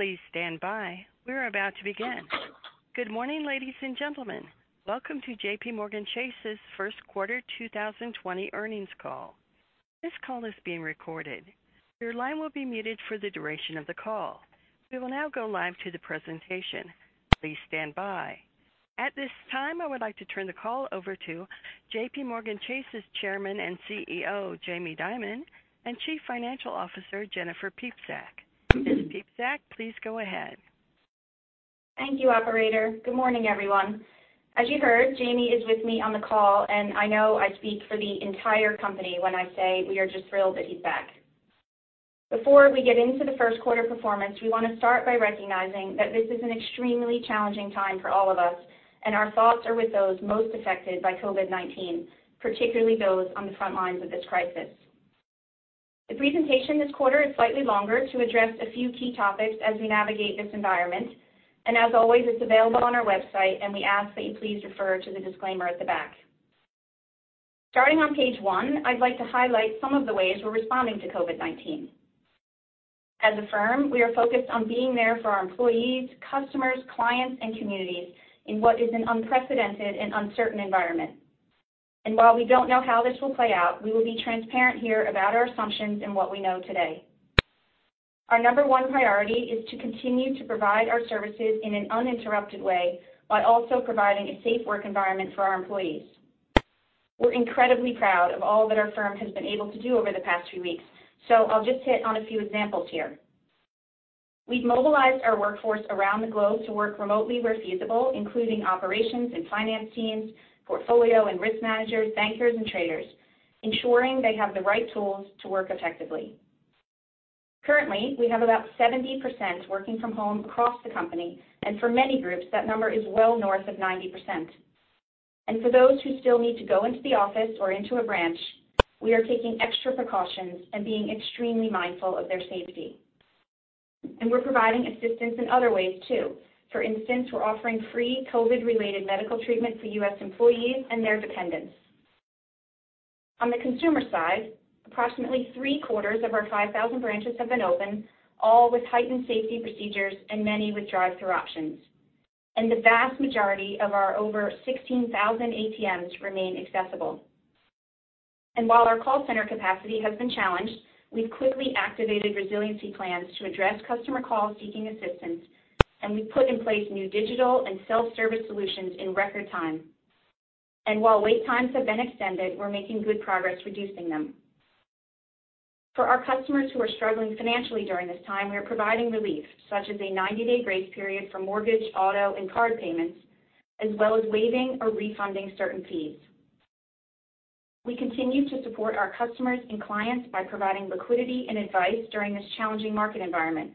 Please stand by. We're about to begin. Good morning, ladies and gentlemen. Welcome to JPMorgan Chase's first quarter 2020 earnings call. This call is being recorded. Your line will be muted for the duration of the call. We will now go live to the presentation. Please stand by. At this time, I would like to turn the call over to JPMorgan Chase's Chairman and CEO, Jamie Dimon, and Chief Financial Officer, Jennifer Piepszak. Ms. Piepszak, please go ahead. Thank you, operator. Good morning, everyone. As you heard, Jamie is with me on the call. I know I speak for the entire company when I say we are just thrilled that he's back. Before we get into the first quarter performance, we want to start by recognizing that this is an extremely challenging time for all of us. Our thoughts are with those most affected by COVID-19, particularly those on the front lines of this crisis. The presentation this quarter is slightly longer to address a few key topics as we navigate this environment. As always, it's available on our website. We ask that you please refer to the disclaimer at the back. Starting on page one, I'd like to highlight some of the ways we're responding to COVID-19. As a firm, we are focused on being there for our employees, customers, clients, and communities in what is an unprecedented and uncertain environment. While we don't know how this will play out, we will be transparent here about our assumptions and what we know today. Our number one priority is to continue to provide our services in an uninterrupted way while also providing a safe work environment for our employees. We're incredibly proud of all that our firm has been able to do over the past few weeks, so I'll just hit on a few examples here. We've mobilized our workforce around the globe to work remotely where feasible, including operations and finance teams, portfolio and risk managers, bankers, and traders, ensuring they have the right tools to work effectively. Currently, we have about 70% working from home across the company, for many groups, that number is well north of 90%. For those who still need to go into the office or into a branch, we are taking extra precautions and being extremely mindful of their safety. We're providing assistance in other ways, too. For instance, we're offering free COVID-related medical treatment for U.S. employees and their dependents. On the consumer side, approximately three-quarters of our 5,000 branches have been open, all with heightened safety procedures and many with drive-thru options. The vast majority of our over 16,000 ATMs remain accessible. While our call center capacity has been challenged, we've quickly activated resiliency plans to address customer calls seeking assistance, and we've put in place new digital and self-service solutions in record time. While wait times have been extended, we're making good progress reducing them. For our customers who are struggling financially during this time, we are providing relief, such as a 90-day grace period for mortgage, auto, and card payments, as well as waiving or refunding certain fees. We continue to support our customers and clients by providing liquidity and advice during this challenging market environment.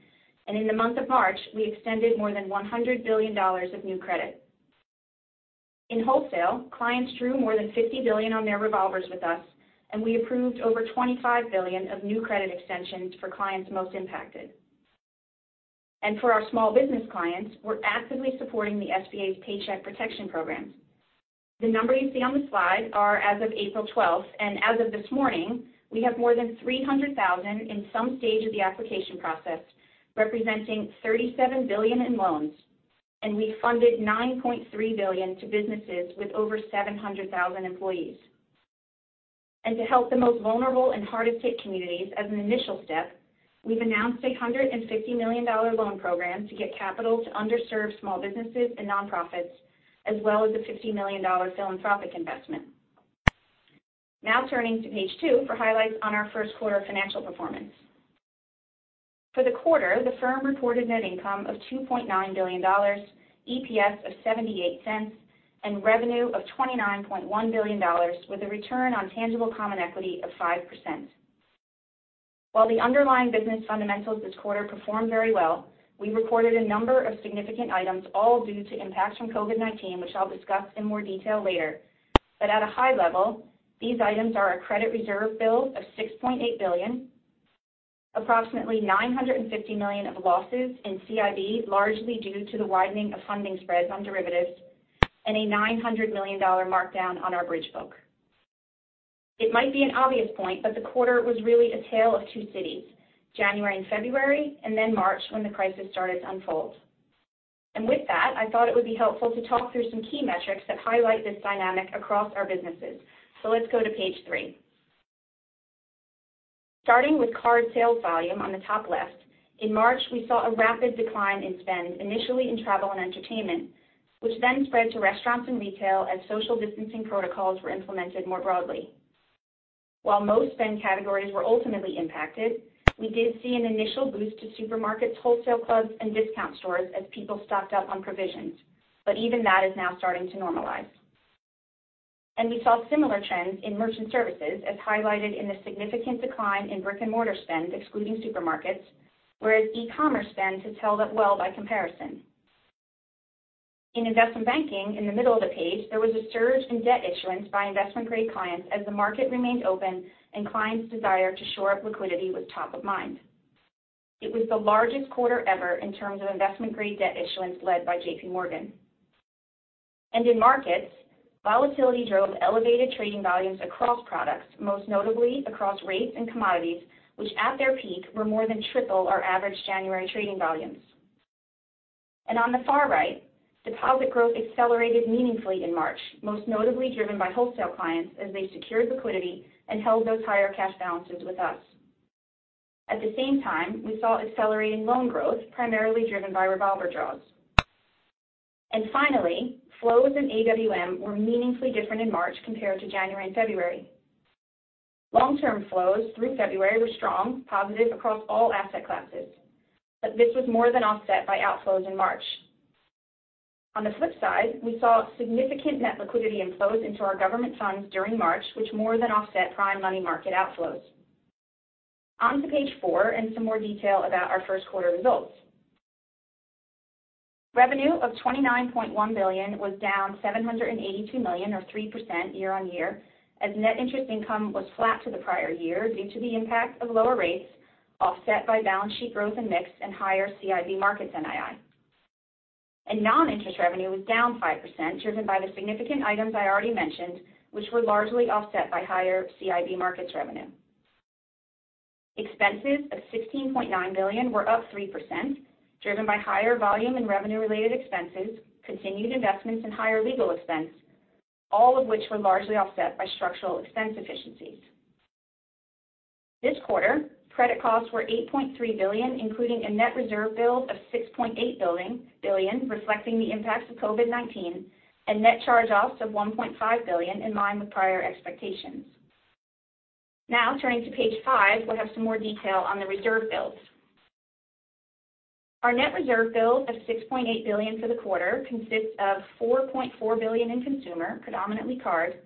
In the month of March, we extended more than $100 billion of new credit. In wholesale, clients drew more than $50 billion on their revolvers with us, and we approved over $25 billion of new credit extensions for clients most impacted. For our small business clients, we're actively supporting the SBA's Paycheck Protection Program. The number you see on the slide are as of April 12th. As of this morning, we have more than 300,000 in some stage of the application process, representing $37 billion in loans. We funded $9.3 billion to businesses with over 700,000 employees. To help the most vulnerable and hardest hit communities as an initial step, we've announced a $150 million loan program to get capital to underserved small businesses and nonprofits, as well as a $50 million philanthropic investment. Now turning to page two for highlights on our first quarter financial performance. For the quarter, the firm reported net income of $2.9 billion, EPS of $0.78, revenue of $29.1 billion with a return on tangible common equity of 5%. While the underlying business fundamentals this quarter performed very well, we reported a number of significant items all due to impacts from COVID-19, which I'll discuss in more detail later. At a high level, these items are a credit reserve build of $6.8 billion, approximately $950 million of losses in CIB, largely due to the widening of funding spreads on derivatives, and a $900 million markdown on our bridge book. It might be an obvious point, but the quarter was really a tale of two cities, January and February, and then March when the crisis started to unfold. With that, I thought it would be helpful to talk through some key metrics that highlight this dynamic across our businesses. Let's go to page three. Starting with card sales volume on the top left, in March, we saw a rapid decline in spend initially in travel and entertainment, which then spread to restaurants and retail as social distancing protocols were implemented more broadly. While most spend categories were ultimately impacted, we did see an initial boost to supermarkets, wholesale clubs, and discount stores as people stocked up on provisions. Even that is now starting to normalize. We saw similar trends in merchant services as highlighted in the significant decline in brick-and-mortar spend, excluding supermarkets, whereas e-commerce spend has held up well by comparison. In investment banking, in the middle of the page, there was a surge in debt issuance by investment-grade clients as the market remained open and clients' desire to shore up liquidity was top of mind. It was the largest quarter ever in terms of investment-grade debt issuance led byJPMorgan. In markets, volatility drove elevated trading volumes across products, most notably across rates and commodities, which at their peak were more than triple our average January trading volumes. On the far right, deposit growth accelerated meaningfully in March, most notably driven by wholesale clients as they secured liquidity and held those higher cash balances with us. At the same time, we saw accelerating loan growth, primarily driven by revolver draws. Finally, flows in AWM were meaningfully different in March compared to January and February. Long-term flows through February were strong, positive across all asset classes, but this was more than offset by outflows in March. On the flip side, we saw significant net liquidity inflows into our government funds during March, which more than offset prime money market outflows. On to page four and some more detail about our first quarter results. Revenue of $29.1 billion was down $782 million or 3% year-on-year, as net interest income was flat to the prior year due to the impact of lower rates, offset by balance sheet growth and mix and higher CIB markets NII. Non-interest revenue was down 5%, driven by the significant items I already mentioned, which were largely offset by higher CIB markets revenue. Expenses of $16.9 billion were up 3%, driven by higher volume and revenue-related expenses, continued investments in higher legal expense, all of which were largely offset by structural expense efficiencies. This quarter, credit costs were $8.3 billion, including a net reserve build of $6.8 billion, reflecting the impacts of COVID-19, and net charge-offs of $1.5 billion in line with prior expectations. Turning to page five, we'll have some more detail on the reserve builds. Our net reserve build of $6.8 billion for the quarter consists of $4.4 billion in consumer, predominantly card,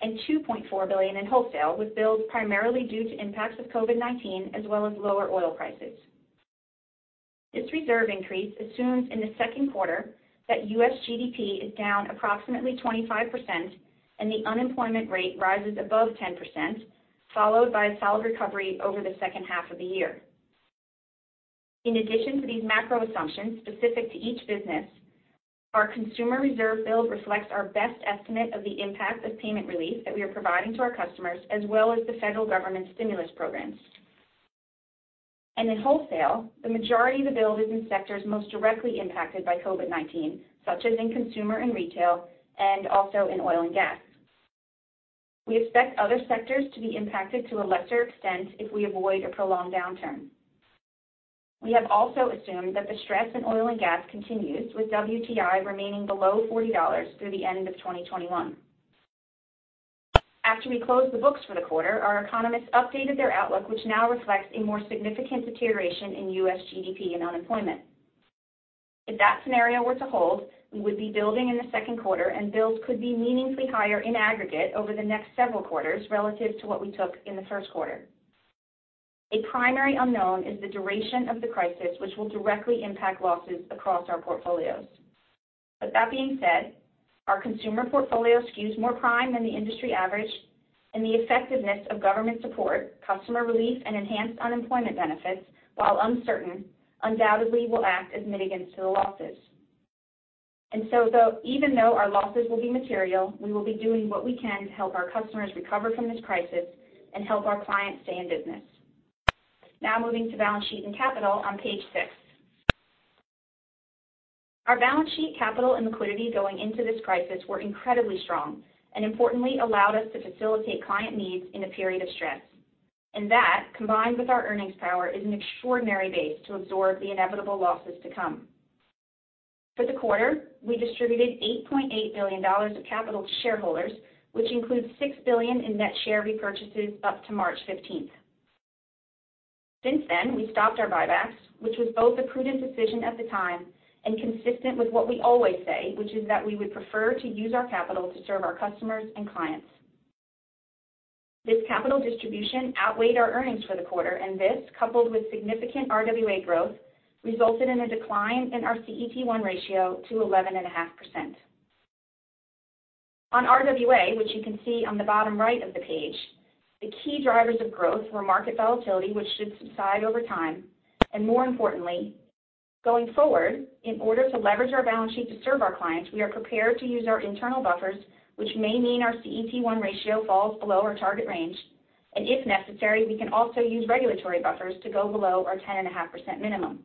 and $2.4 billion in wholesale, with builds primarily due to impacts of COVID-19 as well as lower oil prices. This reserve increase assumes in the second quarter that U.S. GDP is down approximately 25% and the unemployment rate rises above 10%, followed by a solid recovery over the second half of the year. In addition to these macro assumptions specific to each business, our consumer reserve build reflects our best estimate of the impact of payment relief that we are providing to our customers as well as the federal government stimulus programs. In wholesale, the majority of the build is in sectors most directly impacted by COVID-19, such as in consumer and retail and also in oil and gas. We expect other sectors to be impacted to a lesser extent if we avoid a prolonged downturn. We have also assumed that the stress in oil and gas continues, with WTI remaining below $40 through the end of 2021. After we closed the books for the quarter, our economists updated their outlook, which now reflects a more significant deterioration in U.S. GDP and unemployment. If that scenario were to hold, we would be building in the second quarter, and builds could be meaningfully higher in aggregate over the next several quarters relative to what we took in the first quarter. A primary unknown is the duration of the crisis, which will directly impact losses across our portfolios. With that being said, our consumer portfolio skews more prime than the industry average, the effectiveness of government support, customer relief, and enhanced unemployment benefits, while uncertain, undoubtedly will act as mitigants to the losses. Even though our losses will be material, we will be doing what we can to help our customers recover from this crisis and help our clients stay in business. Moving to balance sheet and capital on page six. Our balance sheet capital and liquidity going into this crisis were incredibly strong and importantly allowed us to facilitate client needs in a period of stress. That, combined with our earnings power, is an extraordinary base to absorb the inevitable losses to come. For the quarter, we distributed $8.8 billion of capital to shareholders, which includes $6 billion in net share repurchases up to March 15th. Since then, we stopped our buybacks, which was both a prudent decision at the time and consistent with what we always say, which is that we would prefer to use our capital to serve our customers and clients. This, coupled with significant RWA growth, resulted in a decline in our CET1 ratio to 11.5%. On RWA, which you can see on the bottom right of the page, the key drivers of growth were market volatility, which should subside over time, and more importantly, going forward, in order to leverage our balance sheet to serve our clients, we are prepared to use our internal buffers, which may mean our CET1 ratio falls below our target range, and if necessary, we can also use regulatory buffers to go below our 10.5% minimum.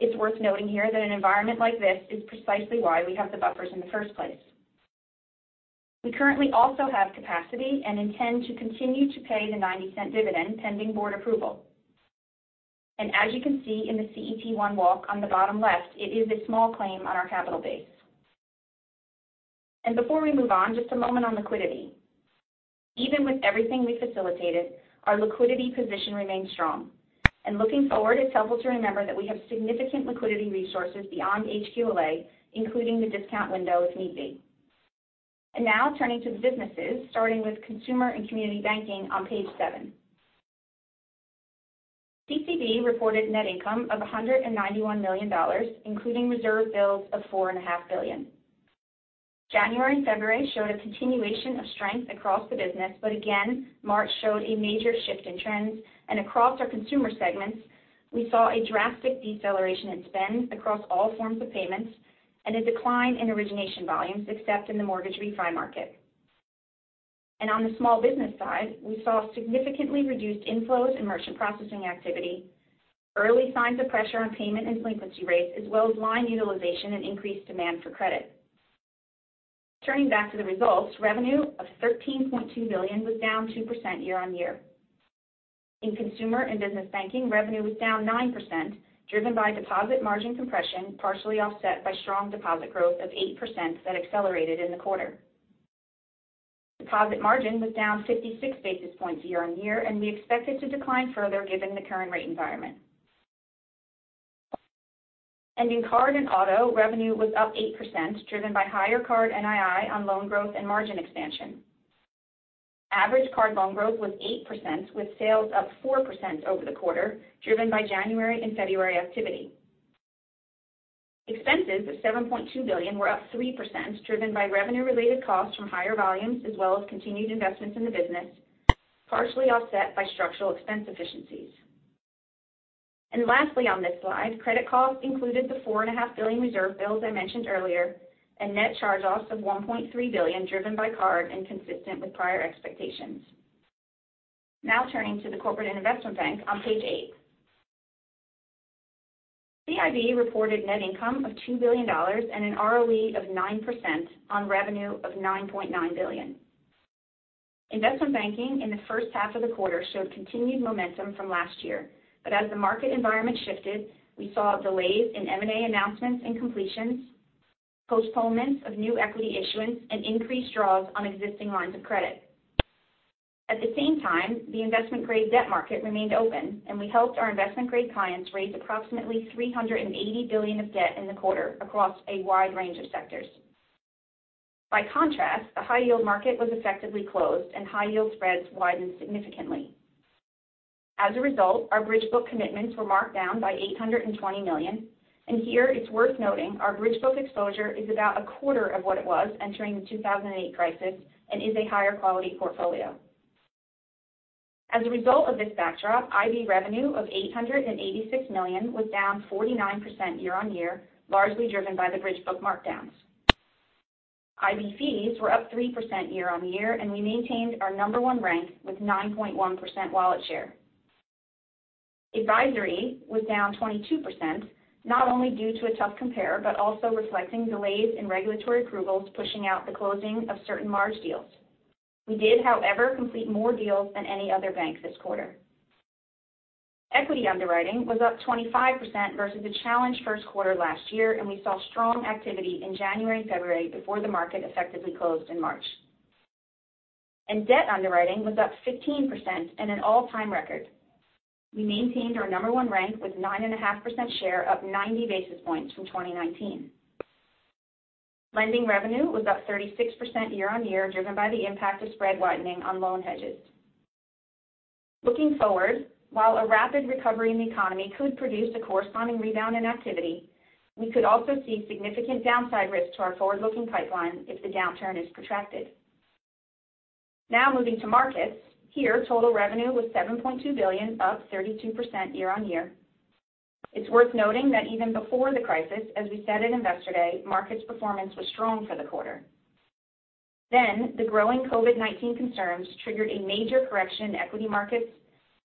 It's worth noting here that an environment like this is precisely why we have the buffers in the first place. We currently also have capacity and intend to continue to pay the $0.90 dividend, pending board approval. As you can see in the CET1 walk on the bottom left, it is a small claim on our capital base. Before we move on, just a moment on liquidity. Even with everything we facilitated, our liquidity position remains strong. Looking forward, it's helpful to remember that we have significant liquidity resources beyond HQLA, including the discount window if need be. Now turning to the businesses, starting with Consumer and Community Banking on page seven. CCB reported net income of $191 million, including reserve builds of $4.5 billion. January and February showed a continuation of strength across the business. Again, March showed a major shift in trends, and across our consumer segments, we saw a drastic deceleration in spend across all forms of payments, and a decline in origination volumes except in the mortgage refi market. On the small business side, we saw significantly reduced inflows in merchant processing activity, early signs of pressure on payment and delinquency rates, as well as line utilization and increased demand for credit. Turning back to the results, revenue of $13.2 billion was down 2% year-on-year. In consumer and business banking, revenue was down 9%, driven by deposit margin compression, partially offset by strong deposit growth of 8% that accelerated in the quarter. Deposit margin was down 56 basis points year-on-year. We expect it to decline further given the current rate environment. In card and auto, revenue was up 8%, driven by higher card NII on loan growth and margin expansion. Average card loan growth was 8%, with sales up 4% over the quarter, driven by January and February activity. Expenses of $7.2 billion were up 3%, driven by revenue-related costs from higher volumes, as well as continued investments in the business, partially offset by structural expense efficiencies. Lastly, on this slide, credit costs included the $4.5 billion reserve build I mentioned earlier, and net charge-offs of $1.3 billion driven by card inconsistent with prior expectations. Turning to the Corporate and Investment Bank on page eight. CIB reported net income of $2 billion and an ROE of 9% on revenue of $9.9 billion. Investment banking in the first half of the quarter showed continued momentum from last year. As the market environment shifted, we saw delays in M&A announcements and completions, postponements of new equity issuance, and increased draws on existing lines of credit. At the same time, the investment-grade debt market remained open, and we helped our investment-grade clients raise approximately $380 billion of debt in the quarter across a wide range of sectors. By contrast, the high-yield market was effectively closed, and high-yield spreads widened significantly. As a result, our bridge book commitments were marked down by $820 million, and here it's worth noting our bridge book exposure is about a quarter of what it was entering the 2008 crisis and is a higher-quality portfolio. As a result of this backdrop, IB revenue of $886 million was down 49% year-on-year, largely driven by the bridge book markdowns. IB fees were up 3% year-on-year, and we maintained our number one rank with 9.1% wallet share. Advisory was down 22%, not only due to a tough compare, but also reflecting delays in regulatory approvals pushing out the closing of certain large deals. We did, however, complete more deals than any other bank this quarter. Equity underwriting was up 25% versus a challenged first quarter last year, we saw strong activity in January and February before the market effectively closed in March. Debt underwriting was up 15% and an all-time record. We maintained our number one rank with 9.5% share up 90 basis points from 2019. Lending revenue was up 36% year-on-year, driven by the impact of spread widening on loan hedges. Looking forward, while a rapid recovery in the economy could produce a corresponding rebound in activity, we could also see significant downside risks to our forward-looking pipeline if the downturn is protracted. Now moving to markets. Here, total revenue was $7.2 billion, up 32% year-on-year. It's worth noting that even before the crisis, as we said at Investor Day, markets performance was strong for the quarter. The growing COVID-19 concerns triggered a major correction in equity markets,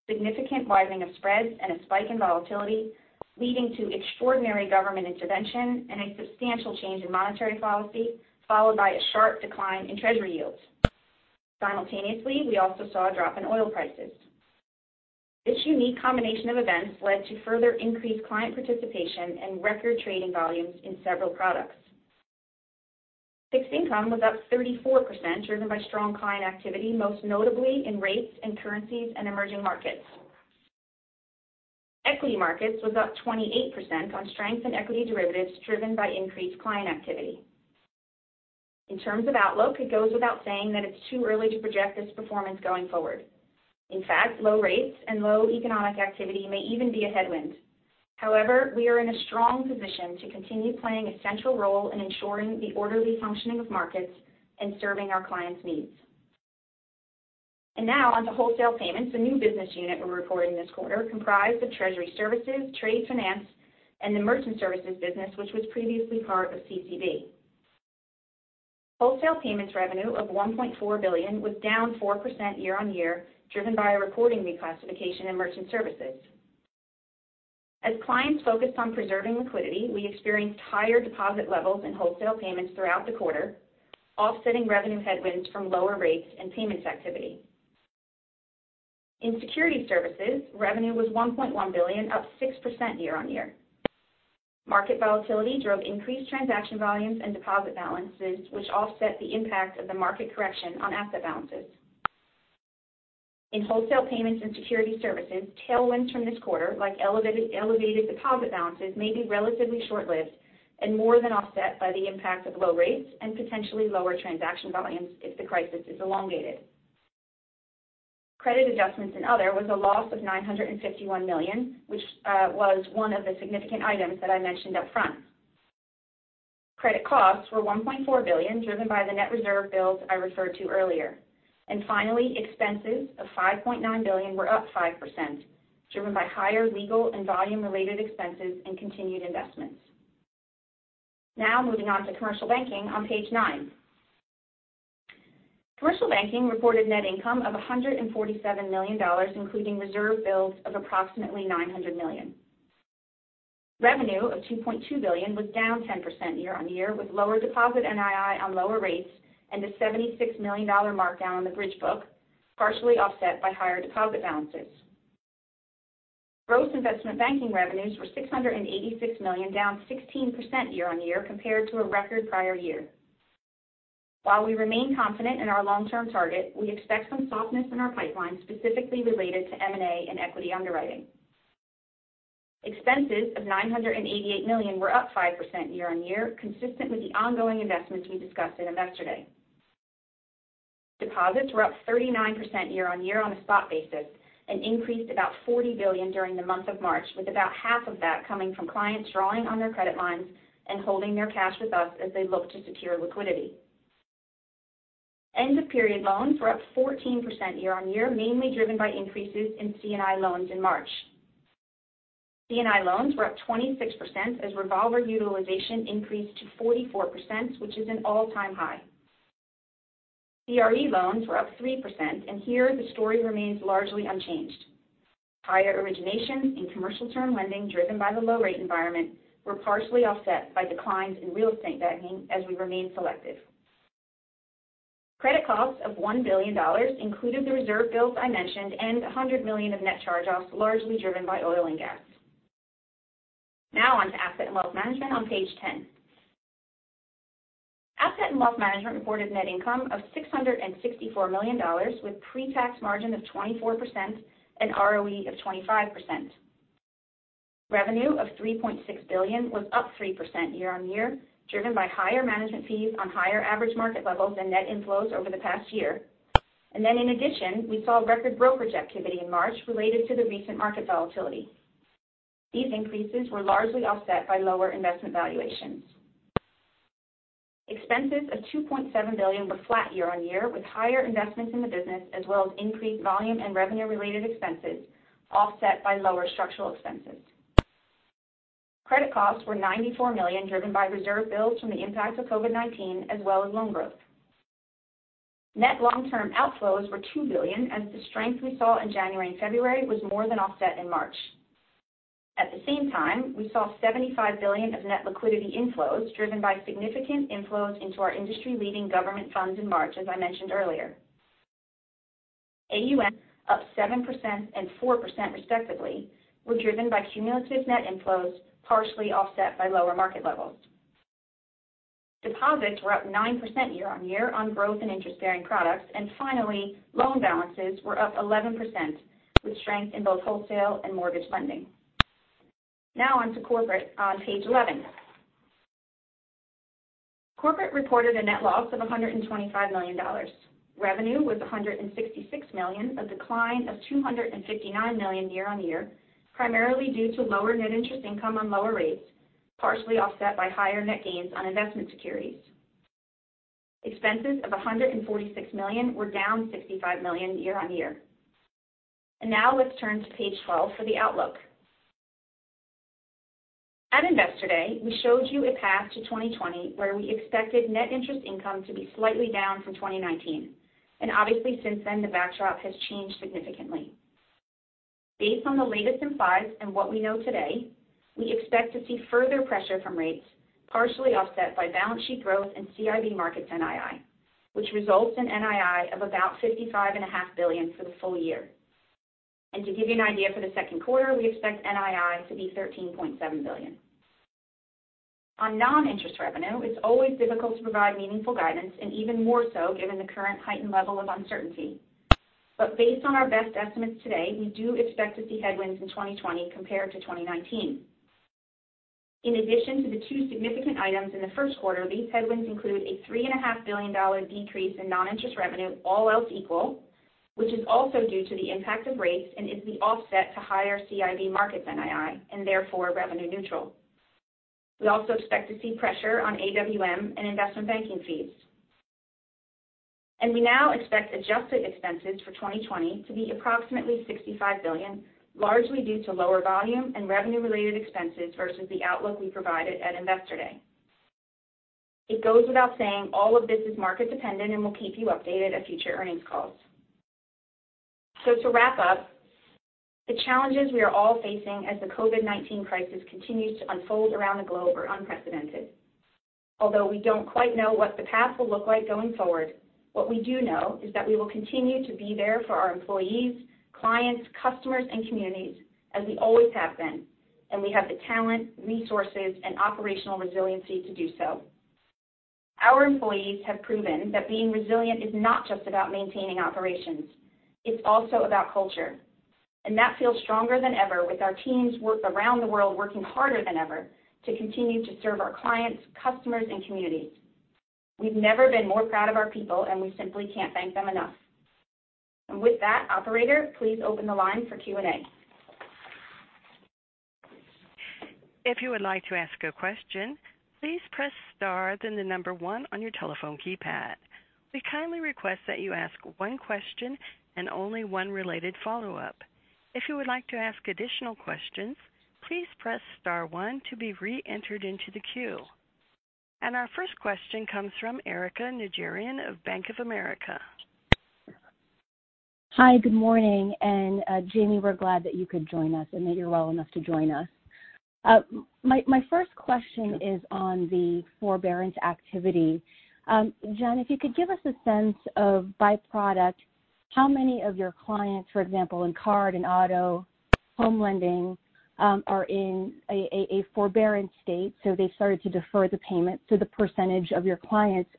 significant widening of spreads, and a spike in volatility, leading to extraordinary government intervention and a substantial change in monetary policy, followed by a sharp decline in Treasury yields. Simultaneously, we also saw a drop in oil prices. This unique combination of events led to further increased client participation and record trading volumes in several products. Fixed income was up 34%, driven by strong client activity, most notably in rates and currencies and emerging markets. Equity markets was up 28% on strength in equity derivatives driven by increased client activity. In terms of outlook, it goes without saying that it's too early to project this performance going forward. In fact, low rates and low economic activity may even be a headwind. However, we are in a strong position to continue playing a central role in ensuring the orderly functioning of markets and serving our clients' needs. Now on to Wholesale Payments, a new business unit we're reporting this quarter comprised of treasury services, trade finance, and the merchant services business, which was previously part of CCB. Wholesale Payments revenue of $1.4 billion was down 4% year-on-year, driven by a reporting reclassification in merchant services. As clients focused on preserving liquidity, we experienced higher deposit levels in Wholesale Payments throughout the quarter, offsetting revenue headwinds from lower rates and payments activity. In Securities Services, revenue was $1.1 billion, up 6% year-on-year. Market volatility drove increased transaction volumes and deposit balances, which offset the impact of the market correction on asset balances. In Wholesale Payments and Securities Services, tailwinds from this quarter, like elevated deposit balances, may be relatively short-lived and more than offset by the impact of low rates and potentially lower transaction volumes if the crisis is elongated. Credit Adjustments and Other was a loss of $951 million, which was one of the significant items that I mentioned upfront. Credit costs were $1.4 billion, driven by the net reserve builds I referred to earlier. Finally, expenses of $5.9 billion were up 5%, driven by higher legal and volume-related expenses and continued investments. Now moving on to Commercial Banking on page nine. Commercial Banking reported net income of $147 million, including reserve builds of approximately $900 million. Revenue of $2.2 billion was down 10% year-on-year, with lower deposit NII on lower rates and a $76 million markdown on the bridge book, partially offset by higher deposit balances. Gross investment banking revenues were $686 million, down 16% year-on-year compared to a record prior year. While we remain confident in our long-term target, we expect some softness in our pipeline, specifically related to M&A and equity underwriting. Expenses of $988 million were up 5% year-on-year, consistent with the ongoing investments we discussed at Investor Day. Deposits were up 39% year-on-year on a spot basis and increased about $40 billion during the month of March, with about half of that coming from clients drawing on their credit lines and holding their cash with us as they look to secure liquidity. End-of-period loans were up 14% year-on-year, mainly driven by increases in C&I loans in March. C&I loans were up 26% as revolver utilization increased to 44%, which is an all-time high. CRE loans were up 3%, and here the story remains largely unchanged. Higher origination in commercial term lending driven by the low rate environment were partially offset by declines in real estate banking as we remain selective. Credit costs of $1 billion included the reserve builds I mentioned and $100 million of net charge-offs, largely driven by oil and gas. On to Asset and Wealth Management on page 10. Asset and Wealth Management reported net income of $664 million with pre-tax margin of 24% and ROE of 25%. Revenue of $3.6 billion was up 3% year-on-year, driven by higher management fees on higher average market levels and net inflows over the past year. Then in addition, we saw record brokerage activity in March related to the recent market volatility. These increases were largely offset by lower investment valuations. Expenses of $2.7 billion were flat year-on-year, with higher investments in the business as well as increased volume and revenue-related expenses offset by lower structural expenses. Credit costs were $94 million, driven by reserve builds from the impacts of COVID-19 as well as loan growth. Net long-term outflows were $2 billion as the strength we saw in January and February was more than offset in March. At the same time, we saw $75 billion of net liquidity inflows driven by significant inflows into our industry-leading government funds in March, as I mentioned earlier. AUM, up 7% and 4% respectively, were driven by cumulative net inflows partially offset by lower market levels. Deposits were up 9% year-on-year on growth in interest-bearing products. Finally, loan balances were up 11%, with strength in both wholesale and mortgage lending. Now on to corporate on page 11. Corporate reported a net loss of $125 million. Revenue was $166 million, a decline of $259 million year-on-year, primarily due to lower net interest income on lower rates, partially offset by higher net gains on investment securities. Expenses of $146 million were down $65 million year-on-year. Now let's turn to page 12 for the outlook. At Investor Day, we showed you a path to 2020 where we expected net interest income to be slightly down from 2019. Obviously since then, the backdrop has changed significantly. Based on the latest implieds and what we know today, we expect to see further pressure from rates, partially offset by balance sheet growth and CIB markets NII, which results in NII of about $55.5 billion for the full year. To give you an idea for the second quarter, we expect NII to be $13.7 billion. On non-interest revenue, it's always difficult to provide meaningful guidance, and even more so given the current heightened level of uncertainty. Based on our best estimates today, we do expect to see headwinds in 2020 compared to 2019. In addition to the two significant items in the first quarter, these headwinds include a $3.5 billion decrease in non-interest revenue, all else equal, which is also due to the impact of rates and is the offset to higher CIB markets NII, and therefore revenue neutral. We also expect to see pressure on AWM and investment banking fees. We now expect adjusted expenses for 2020 to be approximately $65 billion, largely due to lower volume and revenue-related expenses versus the outlook we provided at Investor Day. It goes without saying all of this is market dependent and we'll keep you updated at future earnings calls. To wrap up, the challenges we are all facing as the COVID-19 crisis continues to unfold around the globe are unprecedented. Although we don't quite know what the path will look like going forward, what we do know is that we will continue to be there for our employees, clients, customers, and communities as we always have been, and we have the talent, resources, and operational resiliency to do so. Our employees have proven that being resilient is not just about maintaining operations. It's also about culture. That feels stronger than ever with our teams around the world working harder than ever to continue to serve our clients, customers, and communities. We've never been more proud of our people, and we simply can't thank them enough. With that, operator, please open the line for Q&A. If you would like to ask a question, please press star, then the number one on your telephone keypad. We kindly request that you ask one question and only one related follow-up. If you would like to ask additional questions, please press star one to be re-entered into the queue. Our first question comes from Erika Najarian of Bank of America. Hi. Good morning. Jamie, we're glad that you could join us and that you're well enough to join us. Jenn, if you could give us a sense of by product, how many of your clients, for example, in card and auto, home lending, are in a forbearance state, so they started to defer the payment, so the percentage of your clients.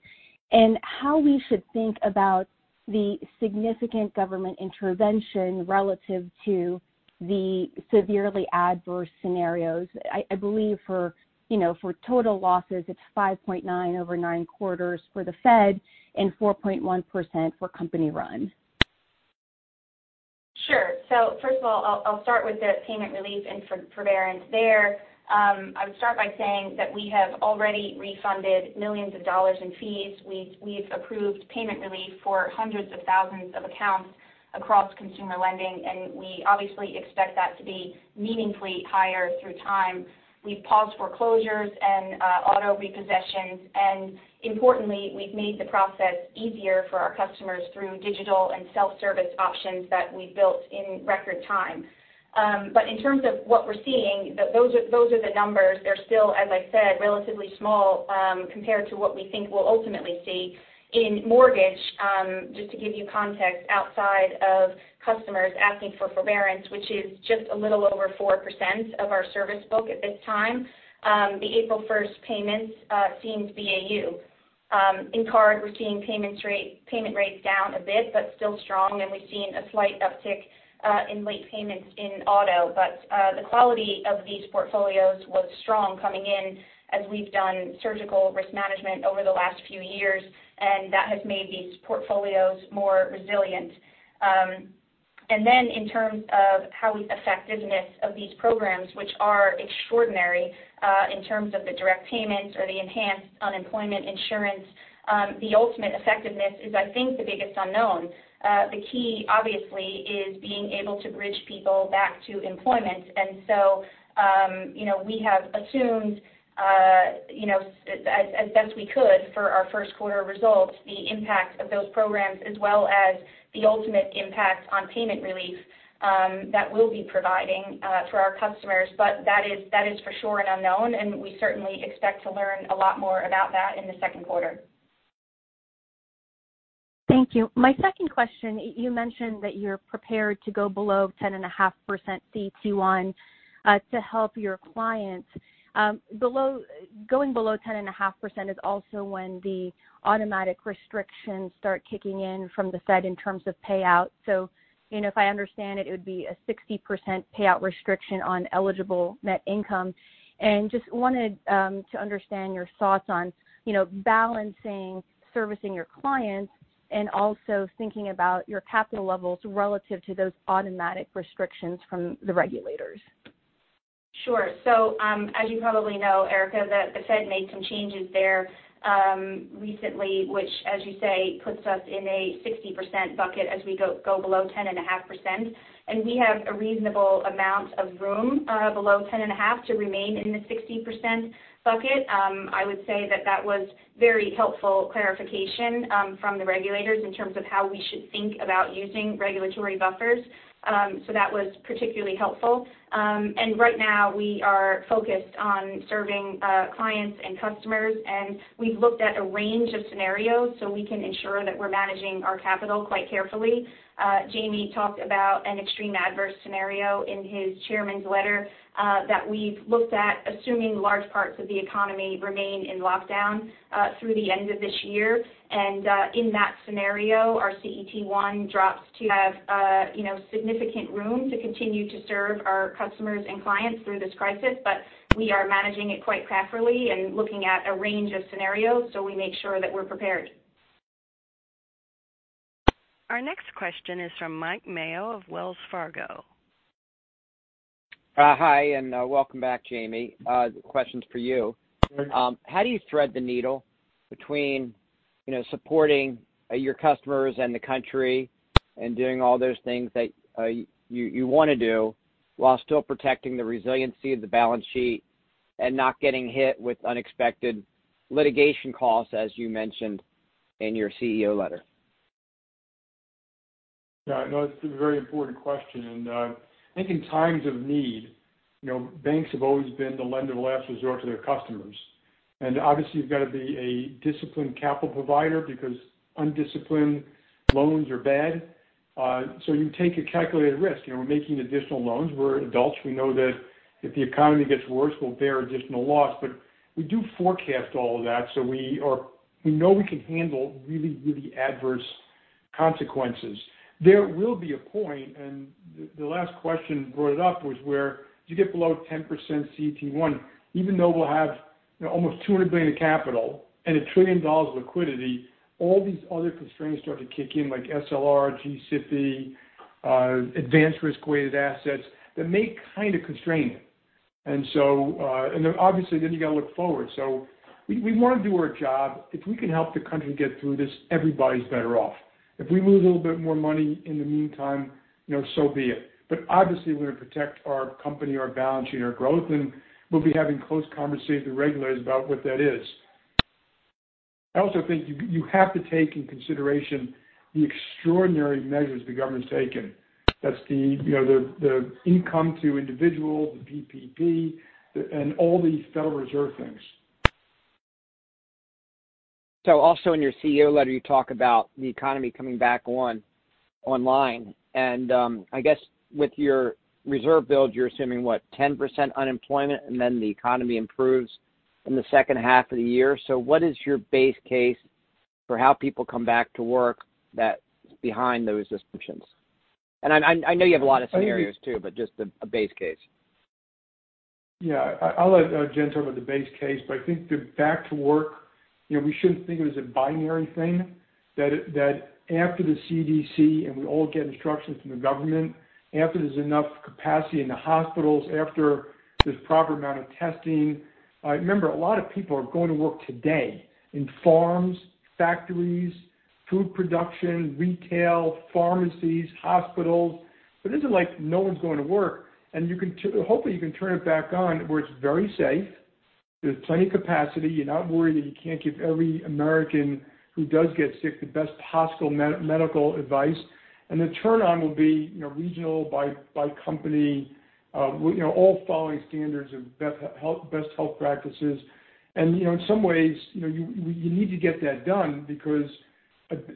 How we should think about the significant government intervention relative to the severely adverse scenarios. I believe for total losses, it's 5.9% over nine quarters for the Fed and 4.1% for company-run. Sure. First of all, I'll start with the payment relief and forbearance there. I would start by saying that we have already refunded millions of dollars in fees. We've approved payment relief for hundreds of thousands of accounts across consumer lending, and we obviously expect that to be meaningfully higher through time. We've paused foreclosures and auto repossessions, and importantly, we've made the process easier for our customers through digital and self-service options that we built in record time. In terms of what we're seeing, those are the numbers. They're still, as I said, relatively small, compared to what we think we'll ultimately see. In mortgage, just to give you context, outside of customers asking for forbearance, which is just a little over 4% of our service book at this time, the April 1st payments seem to be okay. In card, we're seeing payment rates down a bit, but still strong, and we've seen a slight uptick in late payments in auto. The quality of these portfolios was strong coming in as we've done surgical risk management over the last few years, and that has made these portfolios more resilient. In terms of how we effectiveness of these programs, which are extraordinary in terms of the direct payments or the enhanced unemployment insurance, the ultimate effectiveness is, I think, the biggest unknown. The key, obviously, is being able to bridge people back to employment. We have assumed as best we could for our first quarter results, the impact of those programs as well as the ultimate impact on payment relief that we'll be providing for our customers. That is for sure an unknown, and we certainly expect to learn a lot more about that in the second quarter. Thank you. My second question, you mentioned that you're prepared to go below 10.5% CET1 to help your clients. Going below 10.5% is also when the automatic restrictions start kicking in from the Fed in terms of payout. If I understand it would be a 60% payout restriction on eligible net income. Just wanted to understand your thoughts on balancing servicing your clients and also thinking about your capital levels relative to those automatic restrictions from the regulators. Sure. As you probably know, Erika, the Fed made some changes there recently, which as you say puts us in a 60% bucket as we go below 10.5%. We have a reasonable amount of room below 10.5% to remain in the 60% bucket. I would say that that was very helpful clarification from the regulators in terms of how we should think about using regulatory buffers. That was particularly helpful. Right now, we are focused on serving clients and customers, and we've looked at a range of scenarios so we can ensure that we're managing our capital quite carefully. Jamie talked about an extreme adverse scenario in his chairman's letter that we've looked at, assuming large parts of the economy remain in lockdown through the end of this year. In that scenario, our CET1 drops to have significant room to continue to serve our customers and clients through this crisis. We are managing it quite carefully and looking at a range of scenarios so we make sure that we're prepared. Our next question is from Mike Mayo of Wells Fargo. Hi, and welcome back, Jamie. Question's for you. Sure. How do you thread the needle between supporting your customers and the country and doing all those things that you want to do while still protecting the resiliency of the balance sheet and not getting hit with unexpected litigation costs, as you mentioned in your CEO letter? Yeah, no, it's a very important question. I think in times of need, banks have always been the lender of last resort to their customers. Obviously, you've got to be a disciplined capital provider because undisciplined loans are bad. You take a calculated risk. We're making additional loans. We're adults. We know that if the economy gets worse, we'll bear additional loss. We do forecast all of that, so we know we can handle really adverse consequences. There will be a point, and the last question brought it up, was where if you get below 10% CET1, even though we'll have almost $200 billion of capital and $1 trillion of liquidity, all these other constraints start to kick in, like SLR, G-SIB, advanced risk-weighted assets that may kind of constrain it. Then obviously then you've got to look forward. We want to do our job. If we can help the country get through this, everybody's better off. If we lose a little bit more money in the meantime, so be it. Obviously we're going to protect our company, our balance sheet, our growth, and we'll be having close conversation with the regulators about what that is. I also think you have to take into consideration the extraordinary measures the government's taken. That's the income to individuals, the PPP, and all these Federal Reserve things. Also in your CEO letter, you talk about the economy coming back online and, I guess with your reserve build, you're assuming, what, 10% unemployment and then the economy improves in the second half of the year? What is your base case for how people come back to work that's behind those assumptions? I know you have a lot of scenarios too, but just a base case. Yeah. I think the back to work, we shouldn't think of it as a binary thing. After the CDC, we all get instructions from the government, after there's enough capacity in the hospitals, after there's proper amount of testing. Remember, a lot of people are going to work today in farms, factories, food production, retail, pharmacies, hospitals. It isn't like no one's going to work. Hopefully you can turn it back on where it's very safe. There's plenty of capacity. You're not worried that you can't give every American who does get sick the best possible medical advice. The turn-on will be regional by company, all following standards of best health practices. In some ways, you need to get that done because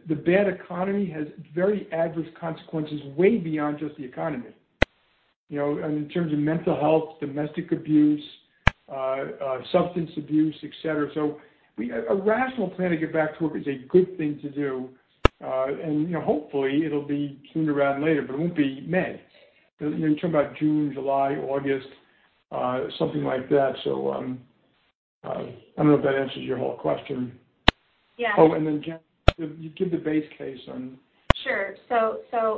the bad economy has very adverse consequences way beyond just the economy. In terms of mental health, domestic abuse, substance abuse, et cetera. A rational plan to get back to work is a good thing to do. Hopefully it'll be sooner rather than later, but it won't be May. You're talking about June, July, August, something like that. I don't know if that answers your whole question. Yeah. Jen, you give the base case on. Sure.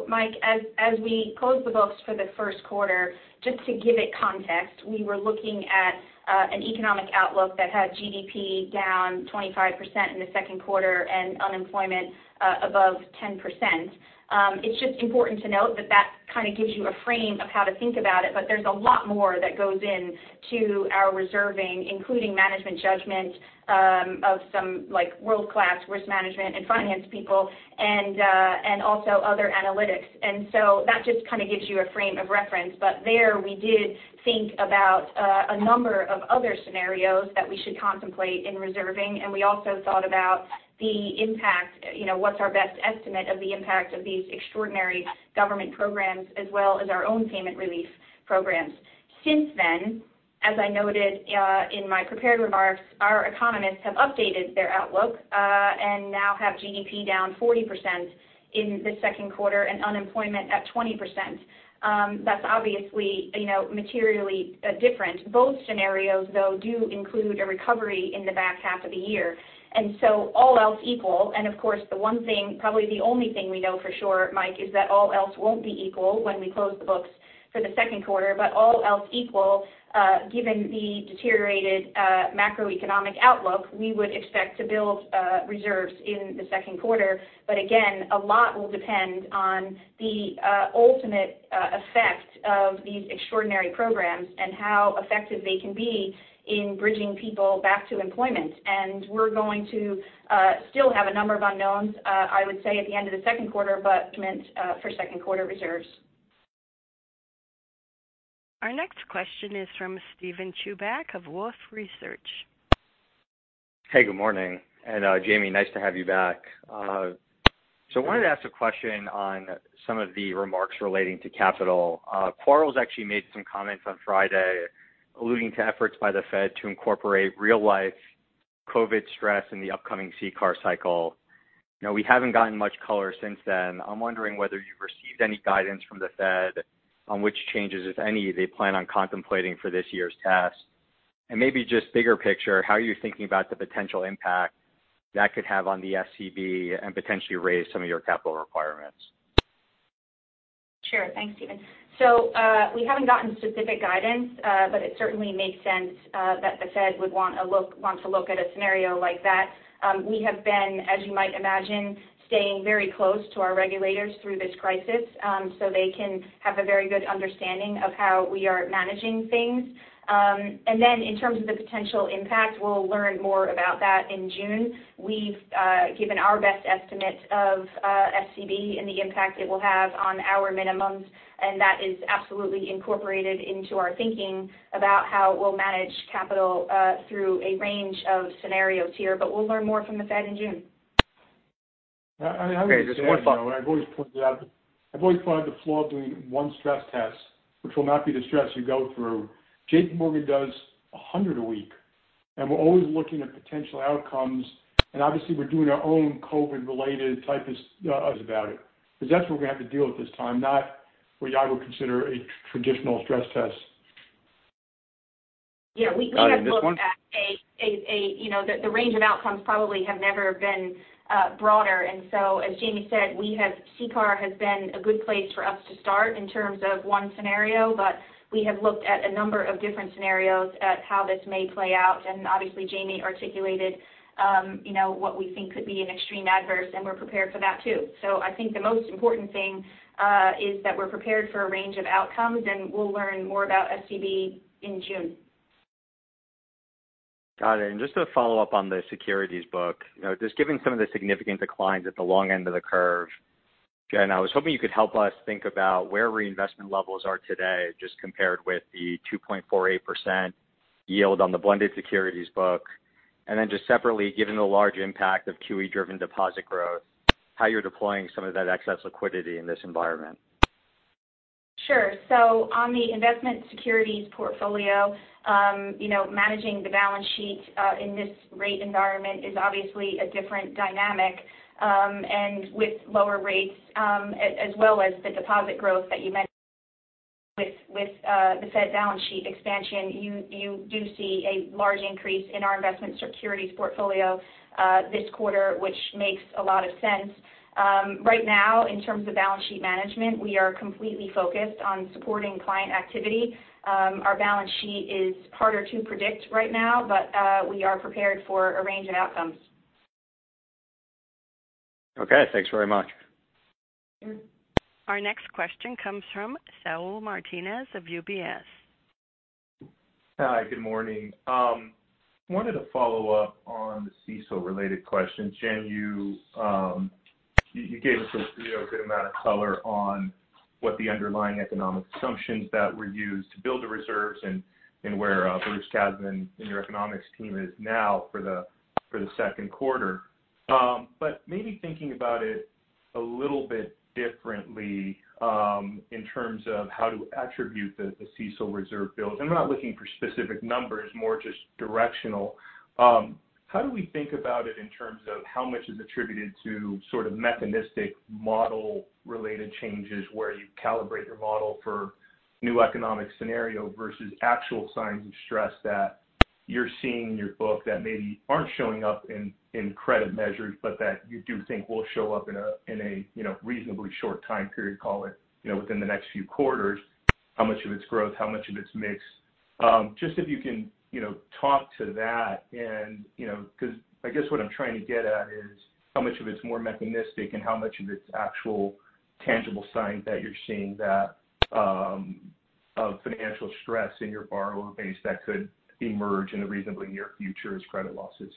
Mike, as we close the books for the first quarter, just to give it context, we were looking at an economic outlook that had GDP down 25% in the second quarter and unemployment above 10%. It's just important to note that that kind of gives you a frame of how to think about it, but there's a lot more that goes into our reserving, including management judgment of some world-class risk management and finance people and also other analytics. That just kind of gives you a frame of reference. There we did think about a number of other scenarios that we should contemplate in reserving, and we also thought about the impact, what's our best estimate of the impact of these extraordinary government programs as well as our own payment relief programs. Since then, as I noted in my prepared remarks, our economists have updated their outlook, now have GDP down 40% in the second quarter and unemployment at 20%. That's obviously materially different. Both scenarios, though, do include a recovery in the back half of the year. All else equal, and of course, the one thing, probably the only thing we know for sure, Mike, is that all else won't be equal when we close the books for the second quarter. All else equal, given the deteriorated macroeconomic outlook, we would expect to build reserves in the second quarter. Again, a lot will depend on the ultimate effect of these extraordinary programs and how effective they can be in bridging people back to employment. We're going to still have a number of unknowns, I would say, at the end of the second quarter, but meant for second quarter reserves. Our next question is from Steven Chubak of Wolfe Research. Good morning. Jamie, nice to have you back. I wanted to ask a question on some of the remarks relating to capital. Quarles actually made some comments on Friday alluding to efforts by the Fed to incorporate real-life COVID stress in the upcoming CCAR cycle. We haven't gotten much color since then. I'm wondering whether you've received any guidance from the Fed on which changes, if any, they plan on contemplating for this year's test. Maybe just bigger picture, how are you thinking about the potential impact that could have on the SCB and potentially raise some of your capital requirements? Sure. Thanks, Steven. We haven't gotten specific guidance, but it certainly makes sense that the Fed would want to look at a scenario like that. We have been, as you might imagine, staying very close to our regulators through this crisis, so they can have a very good understanding of how we are managing things. In terms of the potential impact, we'll learn more about that in June. We've given our best estimate of SCB and the impact it will have on our minimums, and that is absolutely incorporated into our thinking about how we'll manage capital through a range of scenarios here, but we'll learn more from the Fed in June. I've always pointed out, I've always thought it flawed doing one stress test, which will not be the stress you go through. JPMorgan does 100 a week. We're always looking at potential outcomes. Obviously we're doing our own COVID related about it. That's what we're going to have to deal with this time, not what I would consider a traditional stress test. Yeah. We have looked at the range of outcomes probably have never been broader. As Jamie said, CCAR has been a good place for us to start in terms of one scenario. We have looked at a number of different scenarios at how this may play out. Obviously Jamie articulated what we think could be an extreme adverse, and we're prepared for that too. I think the most important thing, is that we're prepared for a range of outcomes, and we'll learn more about SCB in June. Got it. Just to follow up on the securities book, just given some of the significant declines at the long end of the curve. Again, I was hoping you could help us think about where reinvestment levels are today, just compared with the 2.48% yield on the blended securities book. Just separately, given the large impact of QE-driven deposit growth, how you're deploying some of that excess liquidity in this environment. Sure. On the investment securities portfolio, managing the balance sheet, in this rate environment is obviously a different dynamic. With lower rates, as well as the deposit growth that you mentioned with the Fed balance sheet expansion, you do see a large increase in our investment securities portfolio this quarter, which makes a lot of sense. Right now, in terms of balance sheet management, we are completely focused on supporting client activity. Our balance sheet is harder to predict right now, but we are prepared for a range of outcomes. Okay. Thanks very much. Sure. Our next question comes from Saul Martinez of UBS. Hi. Good morning. I wanted to follow up on the CECL-related question. Jenn, you gave us a good amount of color on what the underlying economic assumptions that were used to build the reserves and where Bruce Kasman in your economics team is now for the second quarter. Maybe thinking about it a little bit differently, in terms of how to attribute the CECL reserve build. I'm not looking for specific numbers, more just directional. How do we think about it in terms of how much is attributed to sort of mechanistic model-related changes where you calibrate your model for new economic scenario versus actual signs of stress that you're seeing in your book that maybe aren't showing up in credit measures, but that you do think will show up in a reasonably short time period, call it within the next few quarters? How much of it's growth? How much of it's mix? Just if you can talk to that because I guess what I'm trying to get at is how much of it's more mechanistic and how much of it's actual tangible signs that you're seeing of financial stress in your borrower base that could emerge in the reasonably near future as credit losses.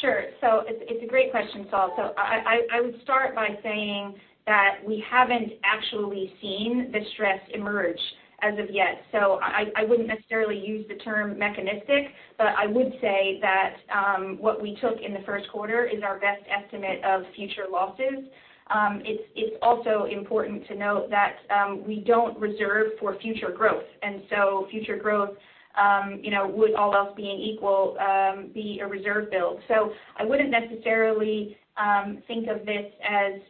Sure. It's a great question, Saul. I would start by saying that we haven't actually seen the stress emerge as of yet. I wouldn't necessarily use the term mechanistic, but I would say that what we took in the first quarter is our best estimate of future losses. It's also important to note that we don't reserve for future growth. Future growth with all else being equal, be a reserve build. I wouldn't necessarily think of this as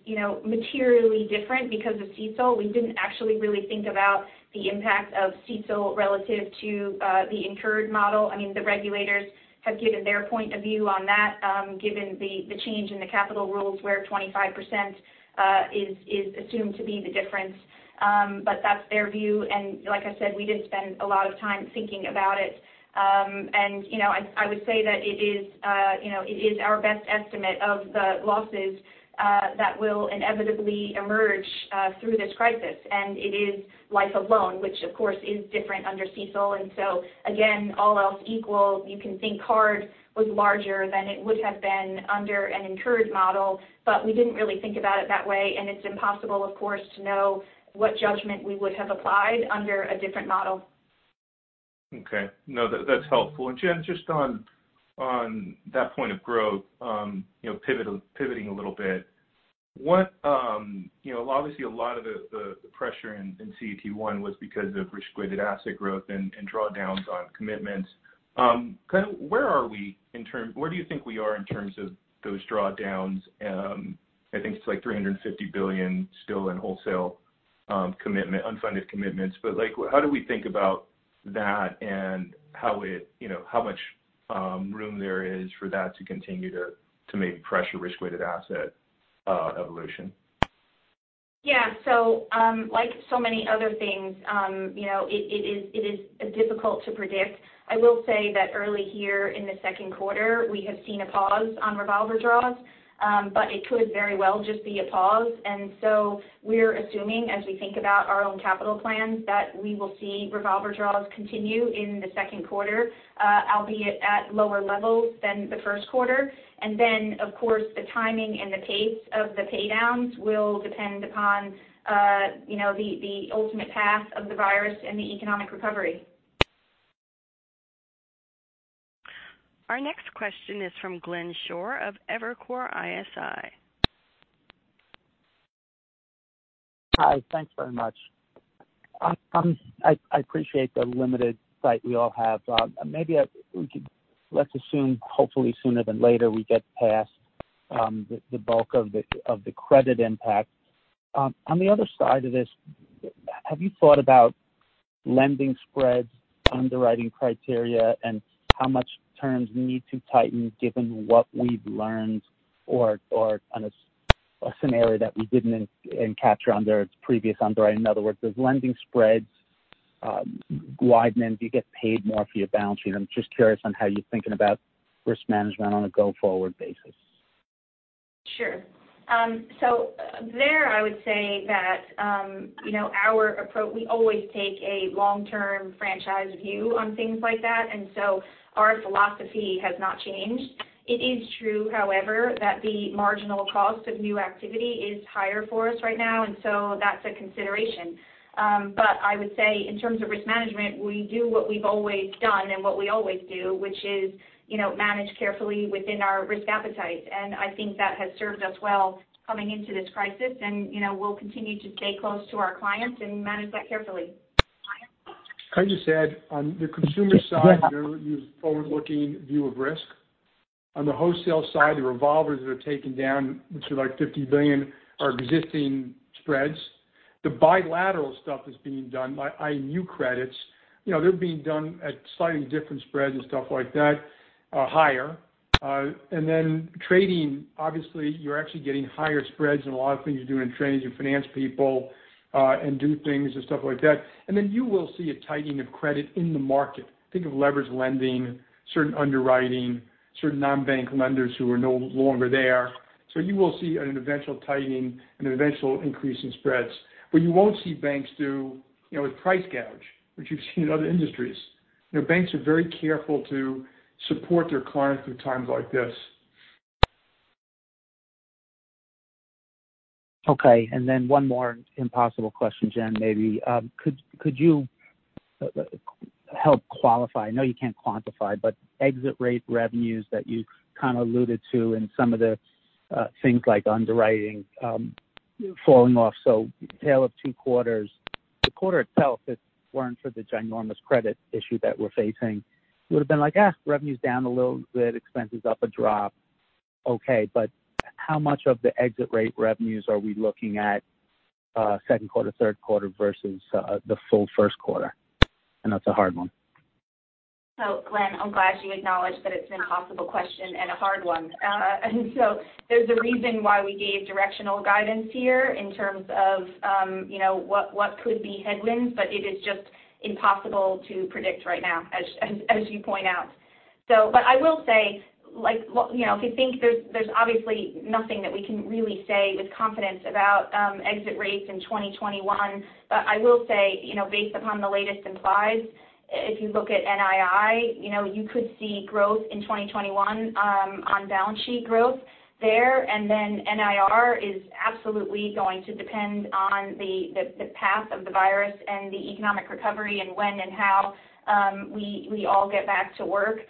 materially different because of CECL. We didn't actually really think about the impact of CECL relative to the incurred model. The regulators have given their point of view on that, given the change in the capital rules where 25% is assumed to be the difference. That's their view. Like I said, we didn't spend a lot of time thinking about it. I would say that it is our best estimate of the losses that will inevitably emerge through this crisis. It is life of loan, which of course is different under CECL. Again, all else equal, you can think CARD was larger than it would have been under an incurred model. We didn't really think about it that way, and it's impossible, of course, to know what judgment we would have applied under a different model. Okay. No, that's helpful. Jen, just on that point of growth, pivoting a little bit. Obviously, a lot of the pressure in CET1 was because of risk-weighted asset growth and drawdowns on commitments. Where do you think we are in terms of those drawdowns? I think it's like $350 billion still in wholesale unfunded commitments. How do we think about that and how much room there is for that to continue to maybe pressure risk-weighted asset evolution? Yeah. Like so many other things it is difficult to predict. I will say that early here in the second quarter, we have seen a pause on revolver draws. It could very well just be a pause. We're assuming, as we think about our own capital plans, that we will see revolver draws continue in the second quarter, albeit at lower levels than the first quarter. Of course, the timing and the pace of the paydowns will depend upon the ultimate path of the virus and the economic recovery. Our next question is from Glenn Schorr of Evercore ISI. Hi. Thanks very much. I appreciate the limited sight we all have. Maybe let's assume, hopefully sooner than later, we get past the bulk of the credit impact. On the other side of this, have you thought about lending spreads, underwriting criteria, and how much terms we need to tighten given what we've learned, or on a scenario that we didn't encapture under its previous underwriting? In other words, those lending spreads widen. Do you get paid more for your balance sheet? I'm just curious on how you're thinking about risk management on a go-forward basis. Sure. There, I would say that we always take a long-term franchise view on things like that. Our philosophy has not changed. It is true, however, that the marginal cost of new activity is higher for us right now. That's a consideration. I would say in terms of risk management, we do what we've always done and what we always do, which is manage carefully within our risk appetite. I think that has served us well coming into this crisis, and we'll continue to stay close to our clients and manage that carefully. Dimon? Can I just add, on the consumer side. Yes you have a forward-looking view of risk. On the wholesale side, the revolvers that are taken down, which are like $50 billion, are existing spreads. The bilateral stuff that's being done by IG credits, they're being done at slightly different spreads and stuff like that, are higher. Trading, obviously, you're actually getting higher spreads in a lot of things you do in trading. Your finance people and do things and stuff like that. You will see a tightening of credit in the market. Think of leverage lending, certain underwriting, certain non-bank lenders who are no longer there. You will see an eventual tightening and an eventual increase in spreads. What you won't see banks do, is price gouge, which you've seen in other industries. Banks are very careful to support their clients through times like this. One more impossible question, Jenn, maybe. Could you help qualify, I know you can't quantify, but exit rate revenues that you kind of alluded to in some of the things like underwriting falling off. Tail of two quarters. The quarter itself, if it weren't for the ginormous credit issue that we're facing, would've been like, "Eh, revenue's down a little bit, expenses up a drop." How much of the exit rate revenues are we looking at second quarter, third quarter versus the full first quarter? I know that's a hard one. Glenn, I'm glad you acknowledged that it's an impossible question and a hard one. There's a reason why we gave directional guidance here in terms of what could be headwinds, but it is just impossible to predict right now, as you point out. I will say, if you think there's obviously nothing that we can really say with confidence about exit rates in 2021. I will say, based upon the latest implies, if you look at NII, you could see growth in 2021 on balance sheet growth there, and then NIR is absolutely going to depend on the path of the virus and the economic recovery and when and how we all get back to work.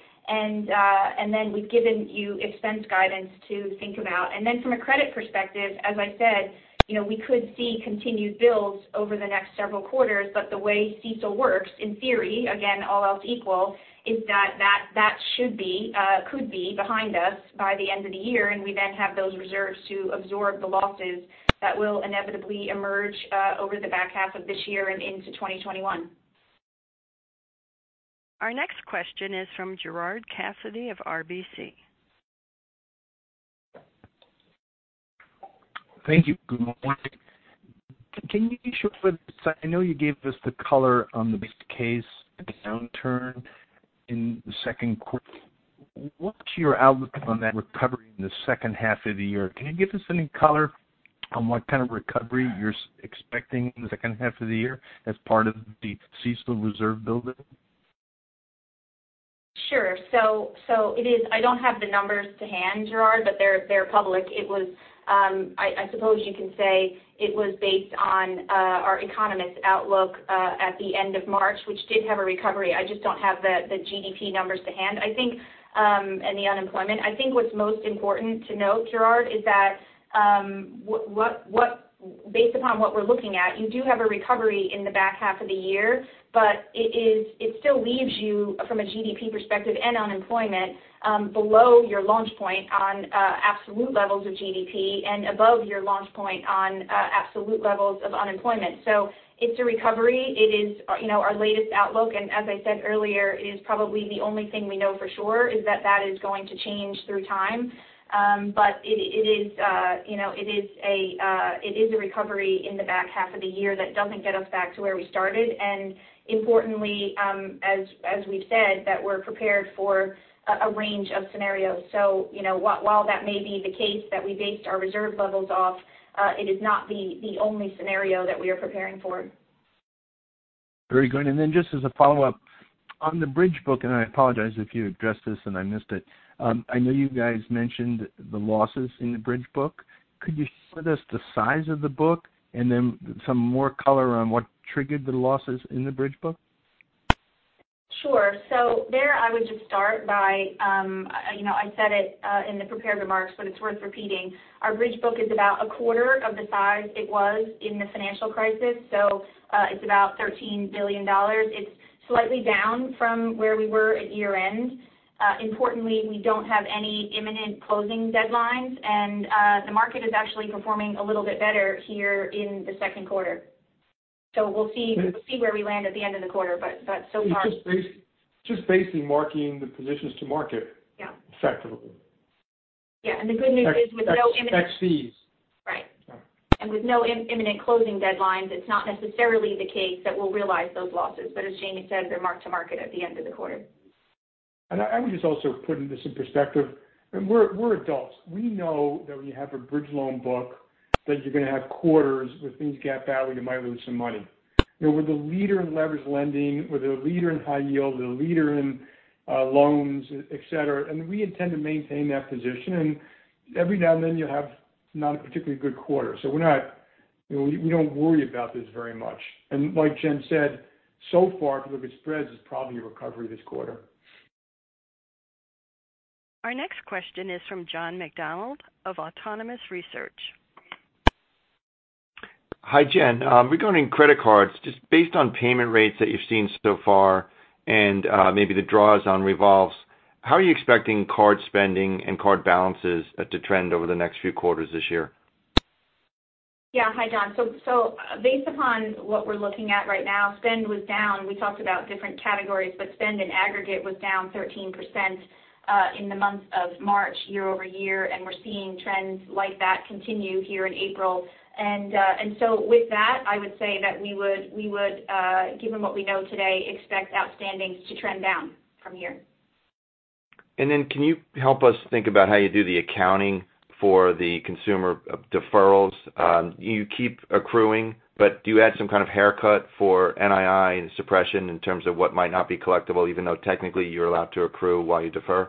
We've given you expense guidance to think about. From a credit perspective, as I said, we could see continued builds over the next several quarters, but the way CECL works, in theory, again, all else equal, is that should be, could be behind us by the end of the year, and we then have those reserves to absorb the losses that will inevitably emerge over the back half of this year and into 2021. Our next question is from Gerard Cassidy of RBC. Thank you. Good morning. Can you show us, I know you gave us the color on the base case, the downturn in the second quarter. What's your outlook on that recovery in the second half of the year? Can you give us any color on what kind of recovery you're expecting in the second half of the year as part of the CECL reserve building? Sure. I don't have the numbers to hand, Gerard, but they're public. I suppose you can say it was based on our economist outlook at the end of March, which did have a recovery. I just don't have the GDP numbers to hand and the unemployment. I think what's most important to note, Gerard, is that based upon what we're looking at, you do have a recovery in the back half of the year, but it still leaves you from a GDP perspective and unemployment, below your launch point on absolute levels of GDP and above your launch point on absolute levels of unemployment. It's a recovery. It is our latest outlook, and as I said earlier, it is probably the only thing we know for sure is that that is going to change through time. It is a recovery in the back half of the year that doesn't get us back to where we started, and importantly, as we've said, that we're prepared for a range of scenarios. While that may be the case that we based our reserve levels off, it is not the only scenario that we are preparing for. Very good. Just as a follow-up, on the bridge book, and I apologize if you addressed this and I missed it. I know you guys mentioned the losses in the bridge book. Could you share with us the size of the book and then some more color on what triggered the losses in the bridge book? Sure. There I would just start by, I said it in the prepared remarks, but it's worth repeating. Our bridge book is about a quarter of the size it was in the financial crisis. It's about $13 billion. It's slightly down from where we were at year-end. Importantly, we don't have any imminent closing deadlines, and the market is actually performing a little bit better here in the second quarter. We'll see where we land at the end of the quarter, but so far. Just basically marking the positions to market. Yeah effectively. Yeah. The good news is with no imminent- Ex fees. Right. Yeah. With no imminent closing deadlines, it's not necessarily the case that we'll realize those losses. As Jamie said, they're marked to market at the end of the quarter. I would just also put this in perspective, and we're adults. We know that when you have a bridge loan book that you're going to have quarters where things gap out and you might lose some money. We're the leader in leveraged lending. We're the leader in high yield, we're the leader in loans, et cetera. We intend to maintain that position. Every now and then you'll have not a particularly good quarter. We don't worry about this very much. Like Jenn said, so far because of the spreads, it's probably a recovery this quarter. Our next question is from John McDonald of Autonomous Research. Hi, Jenn. Regarding credit cards, just based on payment rates that you've seen so far and maybe the draws on revolves, how are you expecting card spending and card balances to trend over the next few quarters this year? Yeah. Hi, John. Based upon what we're looking at right now, spend was down. We talked about different categories, but spend in aggregate was down 13% in the month of March year-over-year, and we're seeing trends like that continue here in April. With that, I would say that we would, given what we know today, expect outstandings to trend down from here. Can you help us think about how you do the accounting for the consumer deferrals? Do you keep accruing, but do you add some kind of haircut for NII and suppression in terms of what might not be collectible even though technically you're allowed to accrue while you defer?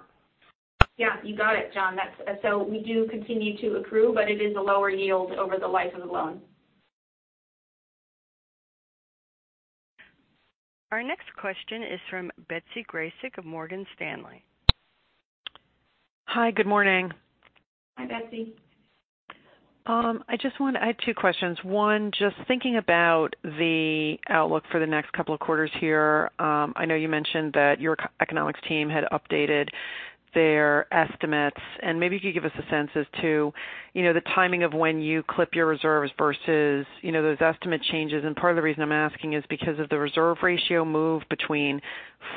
Yeah, you got it, John. We do continue to accrue, but it is a lower yield over the life of the loan. Our next question is from Betsy Graseck of Morgan Stanley. Hi, good morning. Hi, Betsy. I have two questions. One, just thinking about the outlook for the next couple of quarters here. I know you mentioned that your economics team had updated their estimates, and maybe if you could give us a sense as to the timing of when you clip your reserves versus those estimate changes. Part of the reason I'm asking is because of the reserve ratio move between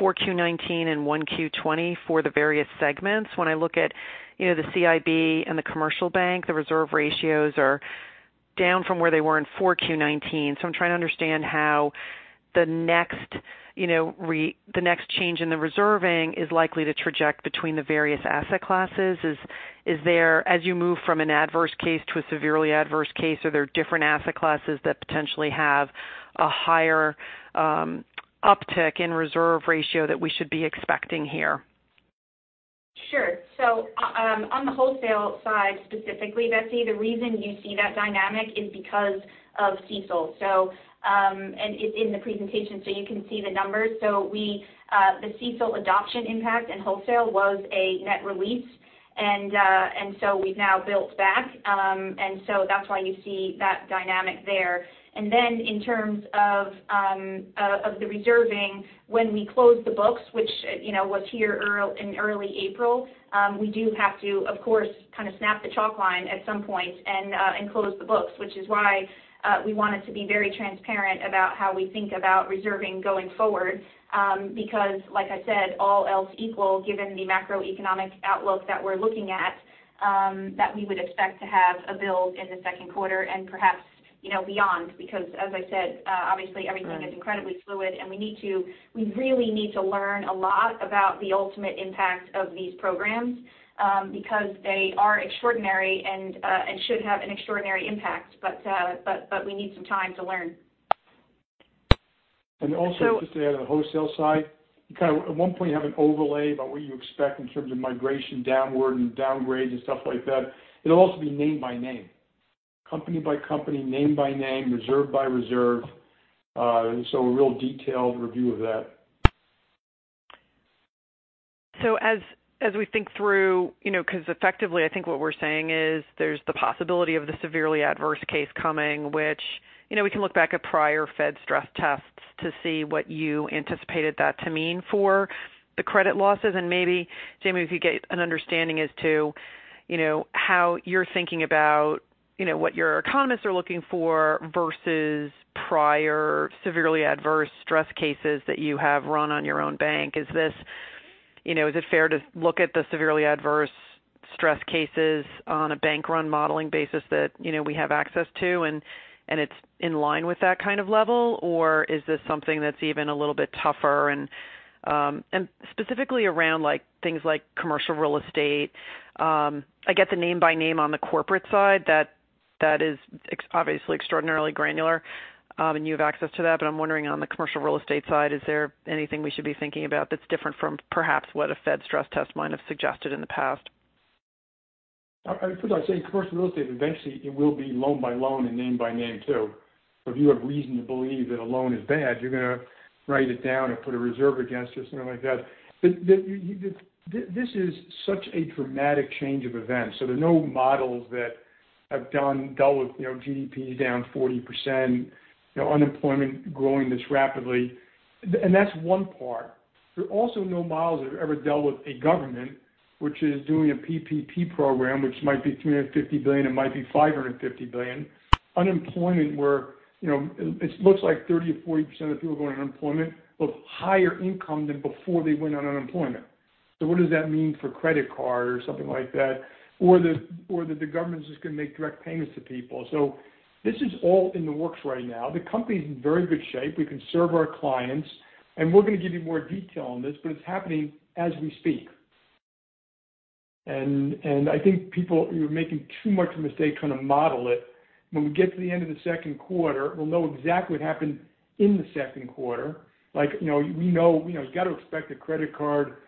4Q 2019 and 1Q 2020 for the various segments. When I look at the CIB and the commercial bank, the reserve ratios are down from where they were in 4Q 2019. I'm trying to understand how the next change in the reserving is likely to traject between the various asset classes. As you move from an adverse case to a severely adverse case, are there different asset classes that potentially have a higher uptick in reserve ratio that we should be expecting here? Sure. On the wholesale side specifically, Betsy, the reason you see that dynamic is because of CECL. It's in the presentation, so you can see the numbers. The CECL adoption impact in wholesale was a net release, and so we've now built back. That's why you see that dynamic there. In terms of the reserving, when we close the books, which was here in early April, we do have to, of course, kind of snap the chalk line at some point and close the books, which is why we wanted to be very transparent about how we think about reserving going forward. Like I said, all else equal, given the macroeconomic outlook that we're looking at, that we would expect to have a build in the second quarter and perhaps beyond. As I said, obviously everything is incredibly fluid, and we really need to learn a lot about the ultimate impact of these programs because they are extraordinary and should have an extraordinary impact. We need some time to learn. Also just to add on the wholesale side, you kind of at one point have an overlay about what you expect in terms of migration downward and downgrades and stuff like that. It'll also be name by name. Company by company, name by name, reserve by reserve. A real detailed review of that. As we think through because effectively, I think what we're saying is there's the possibility of the severely adverse case coming, which we can look back at prior Fed stress tests to see what you anticipated that to mean for the credit losses, and maybe Jamie, if you could get an understanding as to how you're thinking about what your economists are looking for versus prior severely adverse stress cases that you have run on your own bank. Is it fair to look at the severely adverse stress cases on a bank-run modeling basis that we have access to, and it's in line with that kind of level? Or is this something that's even a little bit tougher? Specifically around things like commercial real estate. I get the name by name on the corporate side, that is obviously extraordinarily granular, and you have access to that. I'm wondering on the commercial real estate side, is there anything we should be thinking about that's different from perhaps what a Fed stress test might have suggested in the past? I suppose I'd say commercial real estate, eventually it will be loan by loan and name by name, too. If you have reason to believe that a loan is bad, you're going to write it down or put a reserve against it or something like that. This is such a dramatic change of events. There are no models that have dealt with GDP down 40%, unemployment growing this rapidly, and that's one part. There are also no models that have ever dealt with a government which is doing a PPP program, which might be $350 billion, it might be $550 billion. Unemployment where it looks like 30% or 40% of people going on unemployment, but higher income than before they went on unemployment. What does that mean for credit card or something like that? That the government's just going to make direct payments to people. This is all in the works right now. The company's in very good shape. We can serve our clients, and we're going to give you more detail on this, but it's happening as we speak. I think people are making too much of a mistake trying to model it. When we get to the end of the second quarter, we'll know exactly what happened in the second quarter. We've got to expect that credit card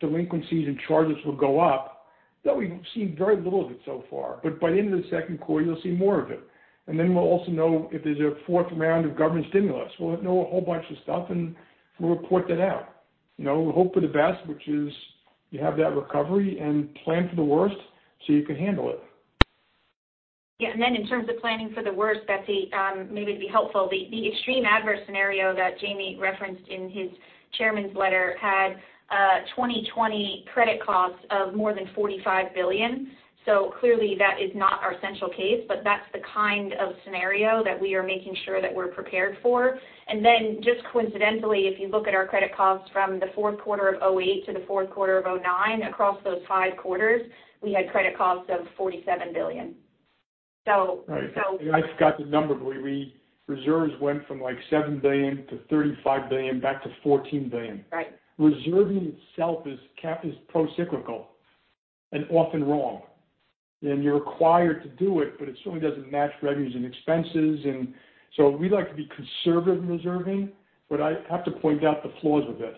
delinquencies and charges will go up, though we've seen very little of it so far. By the end of the second quarter, you'll see more of it. Then we'll also know if there's a fourth round of government stimulus. We'll know a whole bunch of stuff, and we'll report that out. We'll hope for the best, which is you have that recovery, and plan for the worst so you can handle it. Yeah, then in terms of planning for the worst, Betsy, maybe it'd be helpful. The extreme adverse scenario that Jamie referenced in his Chairman's letter had 2020 credit costs of more than $45 billion. Clearly that is not our central case, but that's the kind of scenario that we are making sure that we're prepared for. Then just coincidentally, if you look at our credit costs from the fourth quarter of 2008 to the fourth quarter of 2009, across those five quarters, we had credit costs of $47 billion. Right. I've got the number. Reserves went from like $7 billion to $35 billion back to $14 billion. Right. Reserving itself is pro-cyclical and often wrong, and you're required to do it, but it certainly doesn't match revenues and expenses. We like to be conservative in reserving, but I have to point out the flaws with it.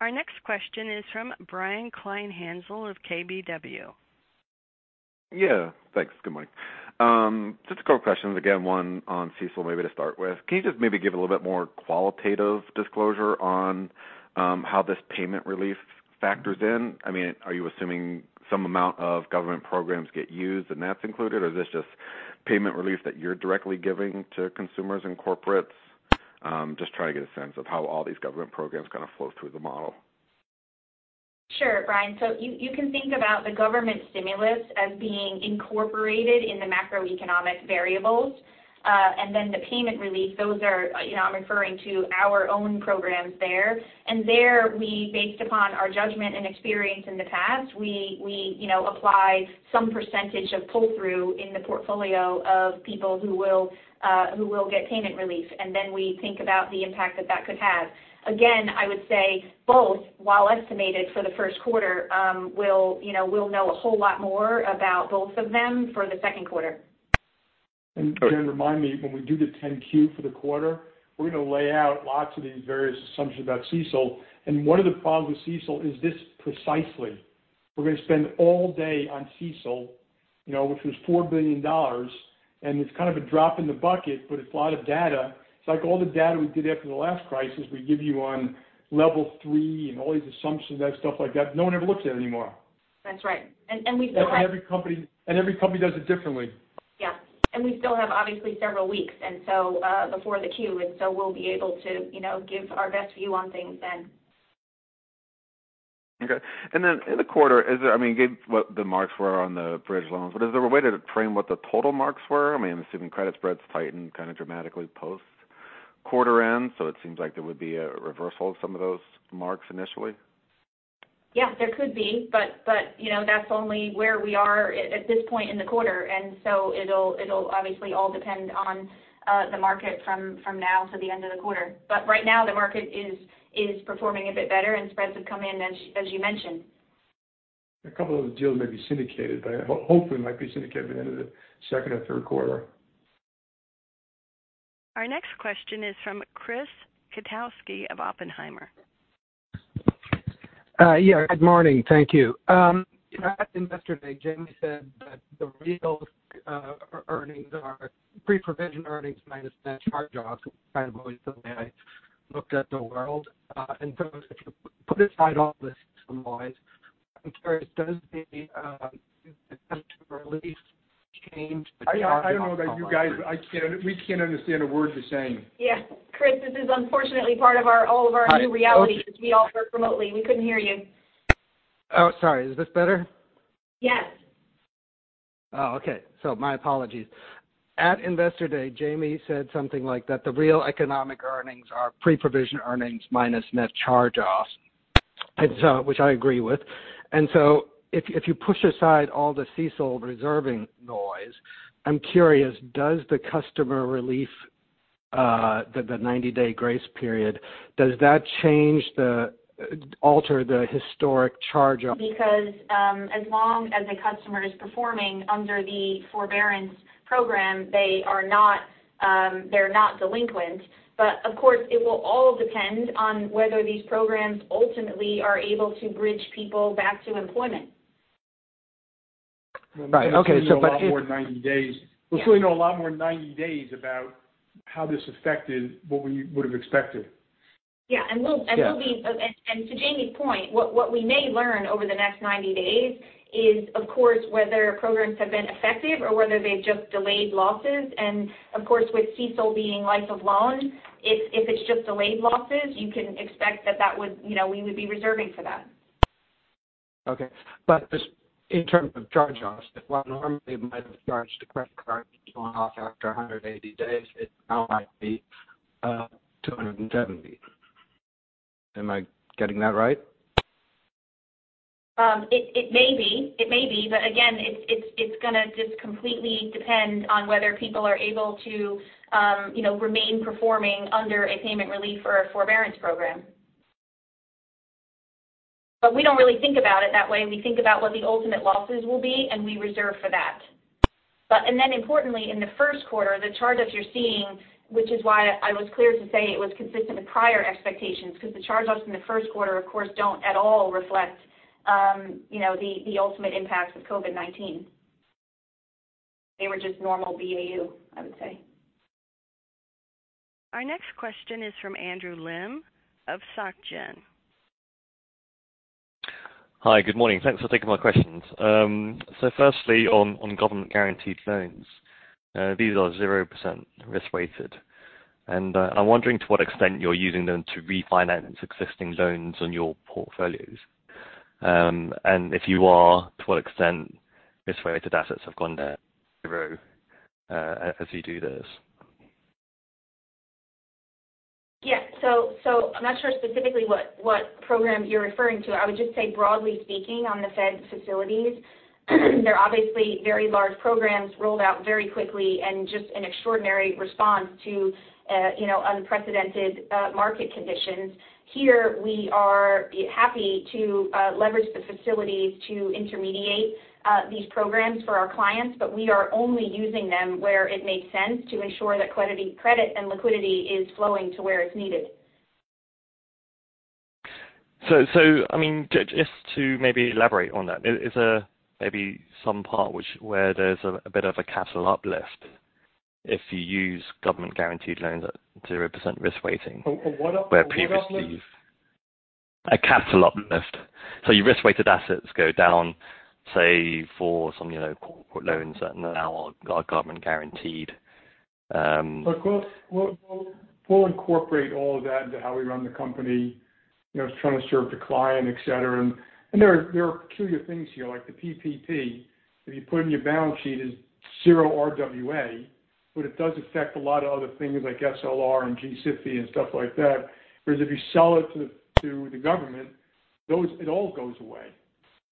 Our next question is from Brian Kleinhanzl of KBW. Yeah. Thanks. Good morning. Just a couple of questions. One on CECL maybe to start with. Can you just maybe give a little bit more qualitative disclosure on how this payment relief factors in? Are you assuming some amount of government programs get used and that's included? Is this just payment relief that you're directly giving to consumers and corporates? Just trying to get a sense of how all these government programs kind of flow through the model. Sure, Brian. You can think about the government stimulus as being incorporated in the macroeconomic variables. The payment relief, I'm referring to our own programs there. There, based upon our judgment and experience in the past, we apply some percentage of pull-through in the portfolio of people who will get payment relief. We think about the impact that could have. Again, I would say both, while estimated for the first quarter, we'll know a whole lot more about both of them for the second quarter. Jenn, remind me, when we do the 10-Q for the quarter, we're going to lay out lots of these various assumptions about CECL. One of the problems with CECL is this precisely. We're going to spend all day on CECL, which was $4 billion, and it's kind of a drop in the bucket, but it's a lot of data. It's like all the data we did after the last crisis. We give you on Level 3 and all these assumptions and stuff like that. No one ever looks at it anymore. That's right. Every company does it differently. Yeah. We still have obviously several weeks before the 10-Q, and so we'll be able to give our best view on things then. Okay. In the quarter, you gave what the marks were on the bridge loans, but is there a way to frame what the total marks were? Assuming credit spreads tightened kind of dramatically post quarter end, so it seems like there would be a reversal of some of those marks initially. Yeah, there could be. That's only where we are at this point in the quarter, and so it'll obviously all depend on the market from now to the end of the quarter. Right now the market is performing a bit better and spreads have come in, as you mentioned. A couple of those deals may be syndicated, but hopefully might be syndicated by the end of the second or third quarter. Our next question is from Chris Kotowski of Oppenheimer. Yeah. Good morning. Thank you. At Investor Day, Jamie said that the real earnings are pre-provision earnings minus net charge-offs. Kind of always the way I looked at the world. If you put aside all this noise, does the customer relief change the charge-offs? We can't understand a word you're saying. Yeah. Chris, this is unfortunately part of all of our new reality. Hi since we all work remotely. We couldn't hear you. Oh, sorry. Is this better? Yes. Okay. My apologies. At Investor Day, Jamie said something like that the real economic earnings are pre-provision earnings minus net charge-offs, which I agree with. If you push aside all the CECL reserving noise, I'm curious, does the customer relief, the 90-day grace period, does that alter the historic charge-off? As long as the customer is performing under the forbearance program, they're not delinquent. Of course, it will all depend on whether these programs ultimately are able to bridge people back to employment. Right. Okay. We'll surely know a lot more in 90 days about how this affected what we would've expected. Yeah. Yeah. To Jamie's point, what we may learn over the next 90 days is, of course, whether programs have been effective or whether they've just delayed losses. Of course, with CECL being life of loan, if it's just delayed losses, you can expect that we would be reserving for that. Okay. Just in terms of charge-offs, if while normally it might have charged a credit card that's gone off after 180 days, it now might be 270. Am I getting that right? It may be. Again, it's going to just completely depend on whether people are able to remain performing under a payment relief or a forbearance program. We don't really think about it that way. We think about what the ultimate losses will be, and we reserve for that. Importantly, in the first quarter, the charge-offs you're seeing, which is why I was clear to say it was consistent with prior expectations, because the charge-offs in the first quarter of course don't at all reflect the ultimate impacts of COVID-19. They were just normal BAU, I would say. Our next question is from Andrew Lim of Société Générale. Hi. Good morning. Thanks for taking my questions. Firstly, on government-guaranteed loans, these are 0% risk-weighted. I'm wondering to what extent you're using them to refinance existing loans on your portfolios. If you are, to what extent risk-weighted assets have gone to zero as you do this? Yeah. I'm not sure specifically what program you're referring to. I would just say broadly speaking on the Fed facilities, they're obviously very large programs rolled out very quickly and just an extraordinary response to unprecedented market conditions. Here, we are happy to leverage the facilities to intermediate these programs for our clients, but we are only using them where it makes sense to ensure that credit and liquidity is flowing to where it's needed. Just to maybe elaborate on that, is there maybe some part where there's a bit of a capital uplift if you use government-guaranteed loans at 0% risk weighting? A what uplift? Where previously A capital uplift. Your risk-weighted assets go down, say for some corporate loans that now are government guaranteed. Look, we'll incorporate all of that into how we run the company. Just trying to serve the client, et cetera. There are peculiar things here, like the PPP, if you put in your balance sheet is zero RWA, but it does affect a lot of other things like SLR and G-SIB and stuff like that. Whereas if you sell it to the government, it all goes away.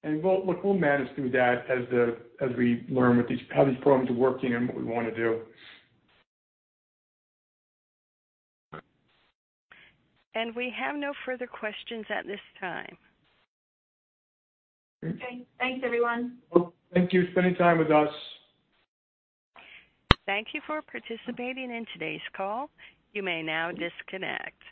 Look, we'll manage through that as we learn how these programs are working and what we want to do. We have no further questions at this time. Okay. Thanks everyone. Thank you for spending time with us. Thank you for participating in today's call. You may now disconnect.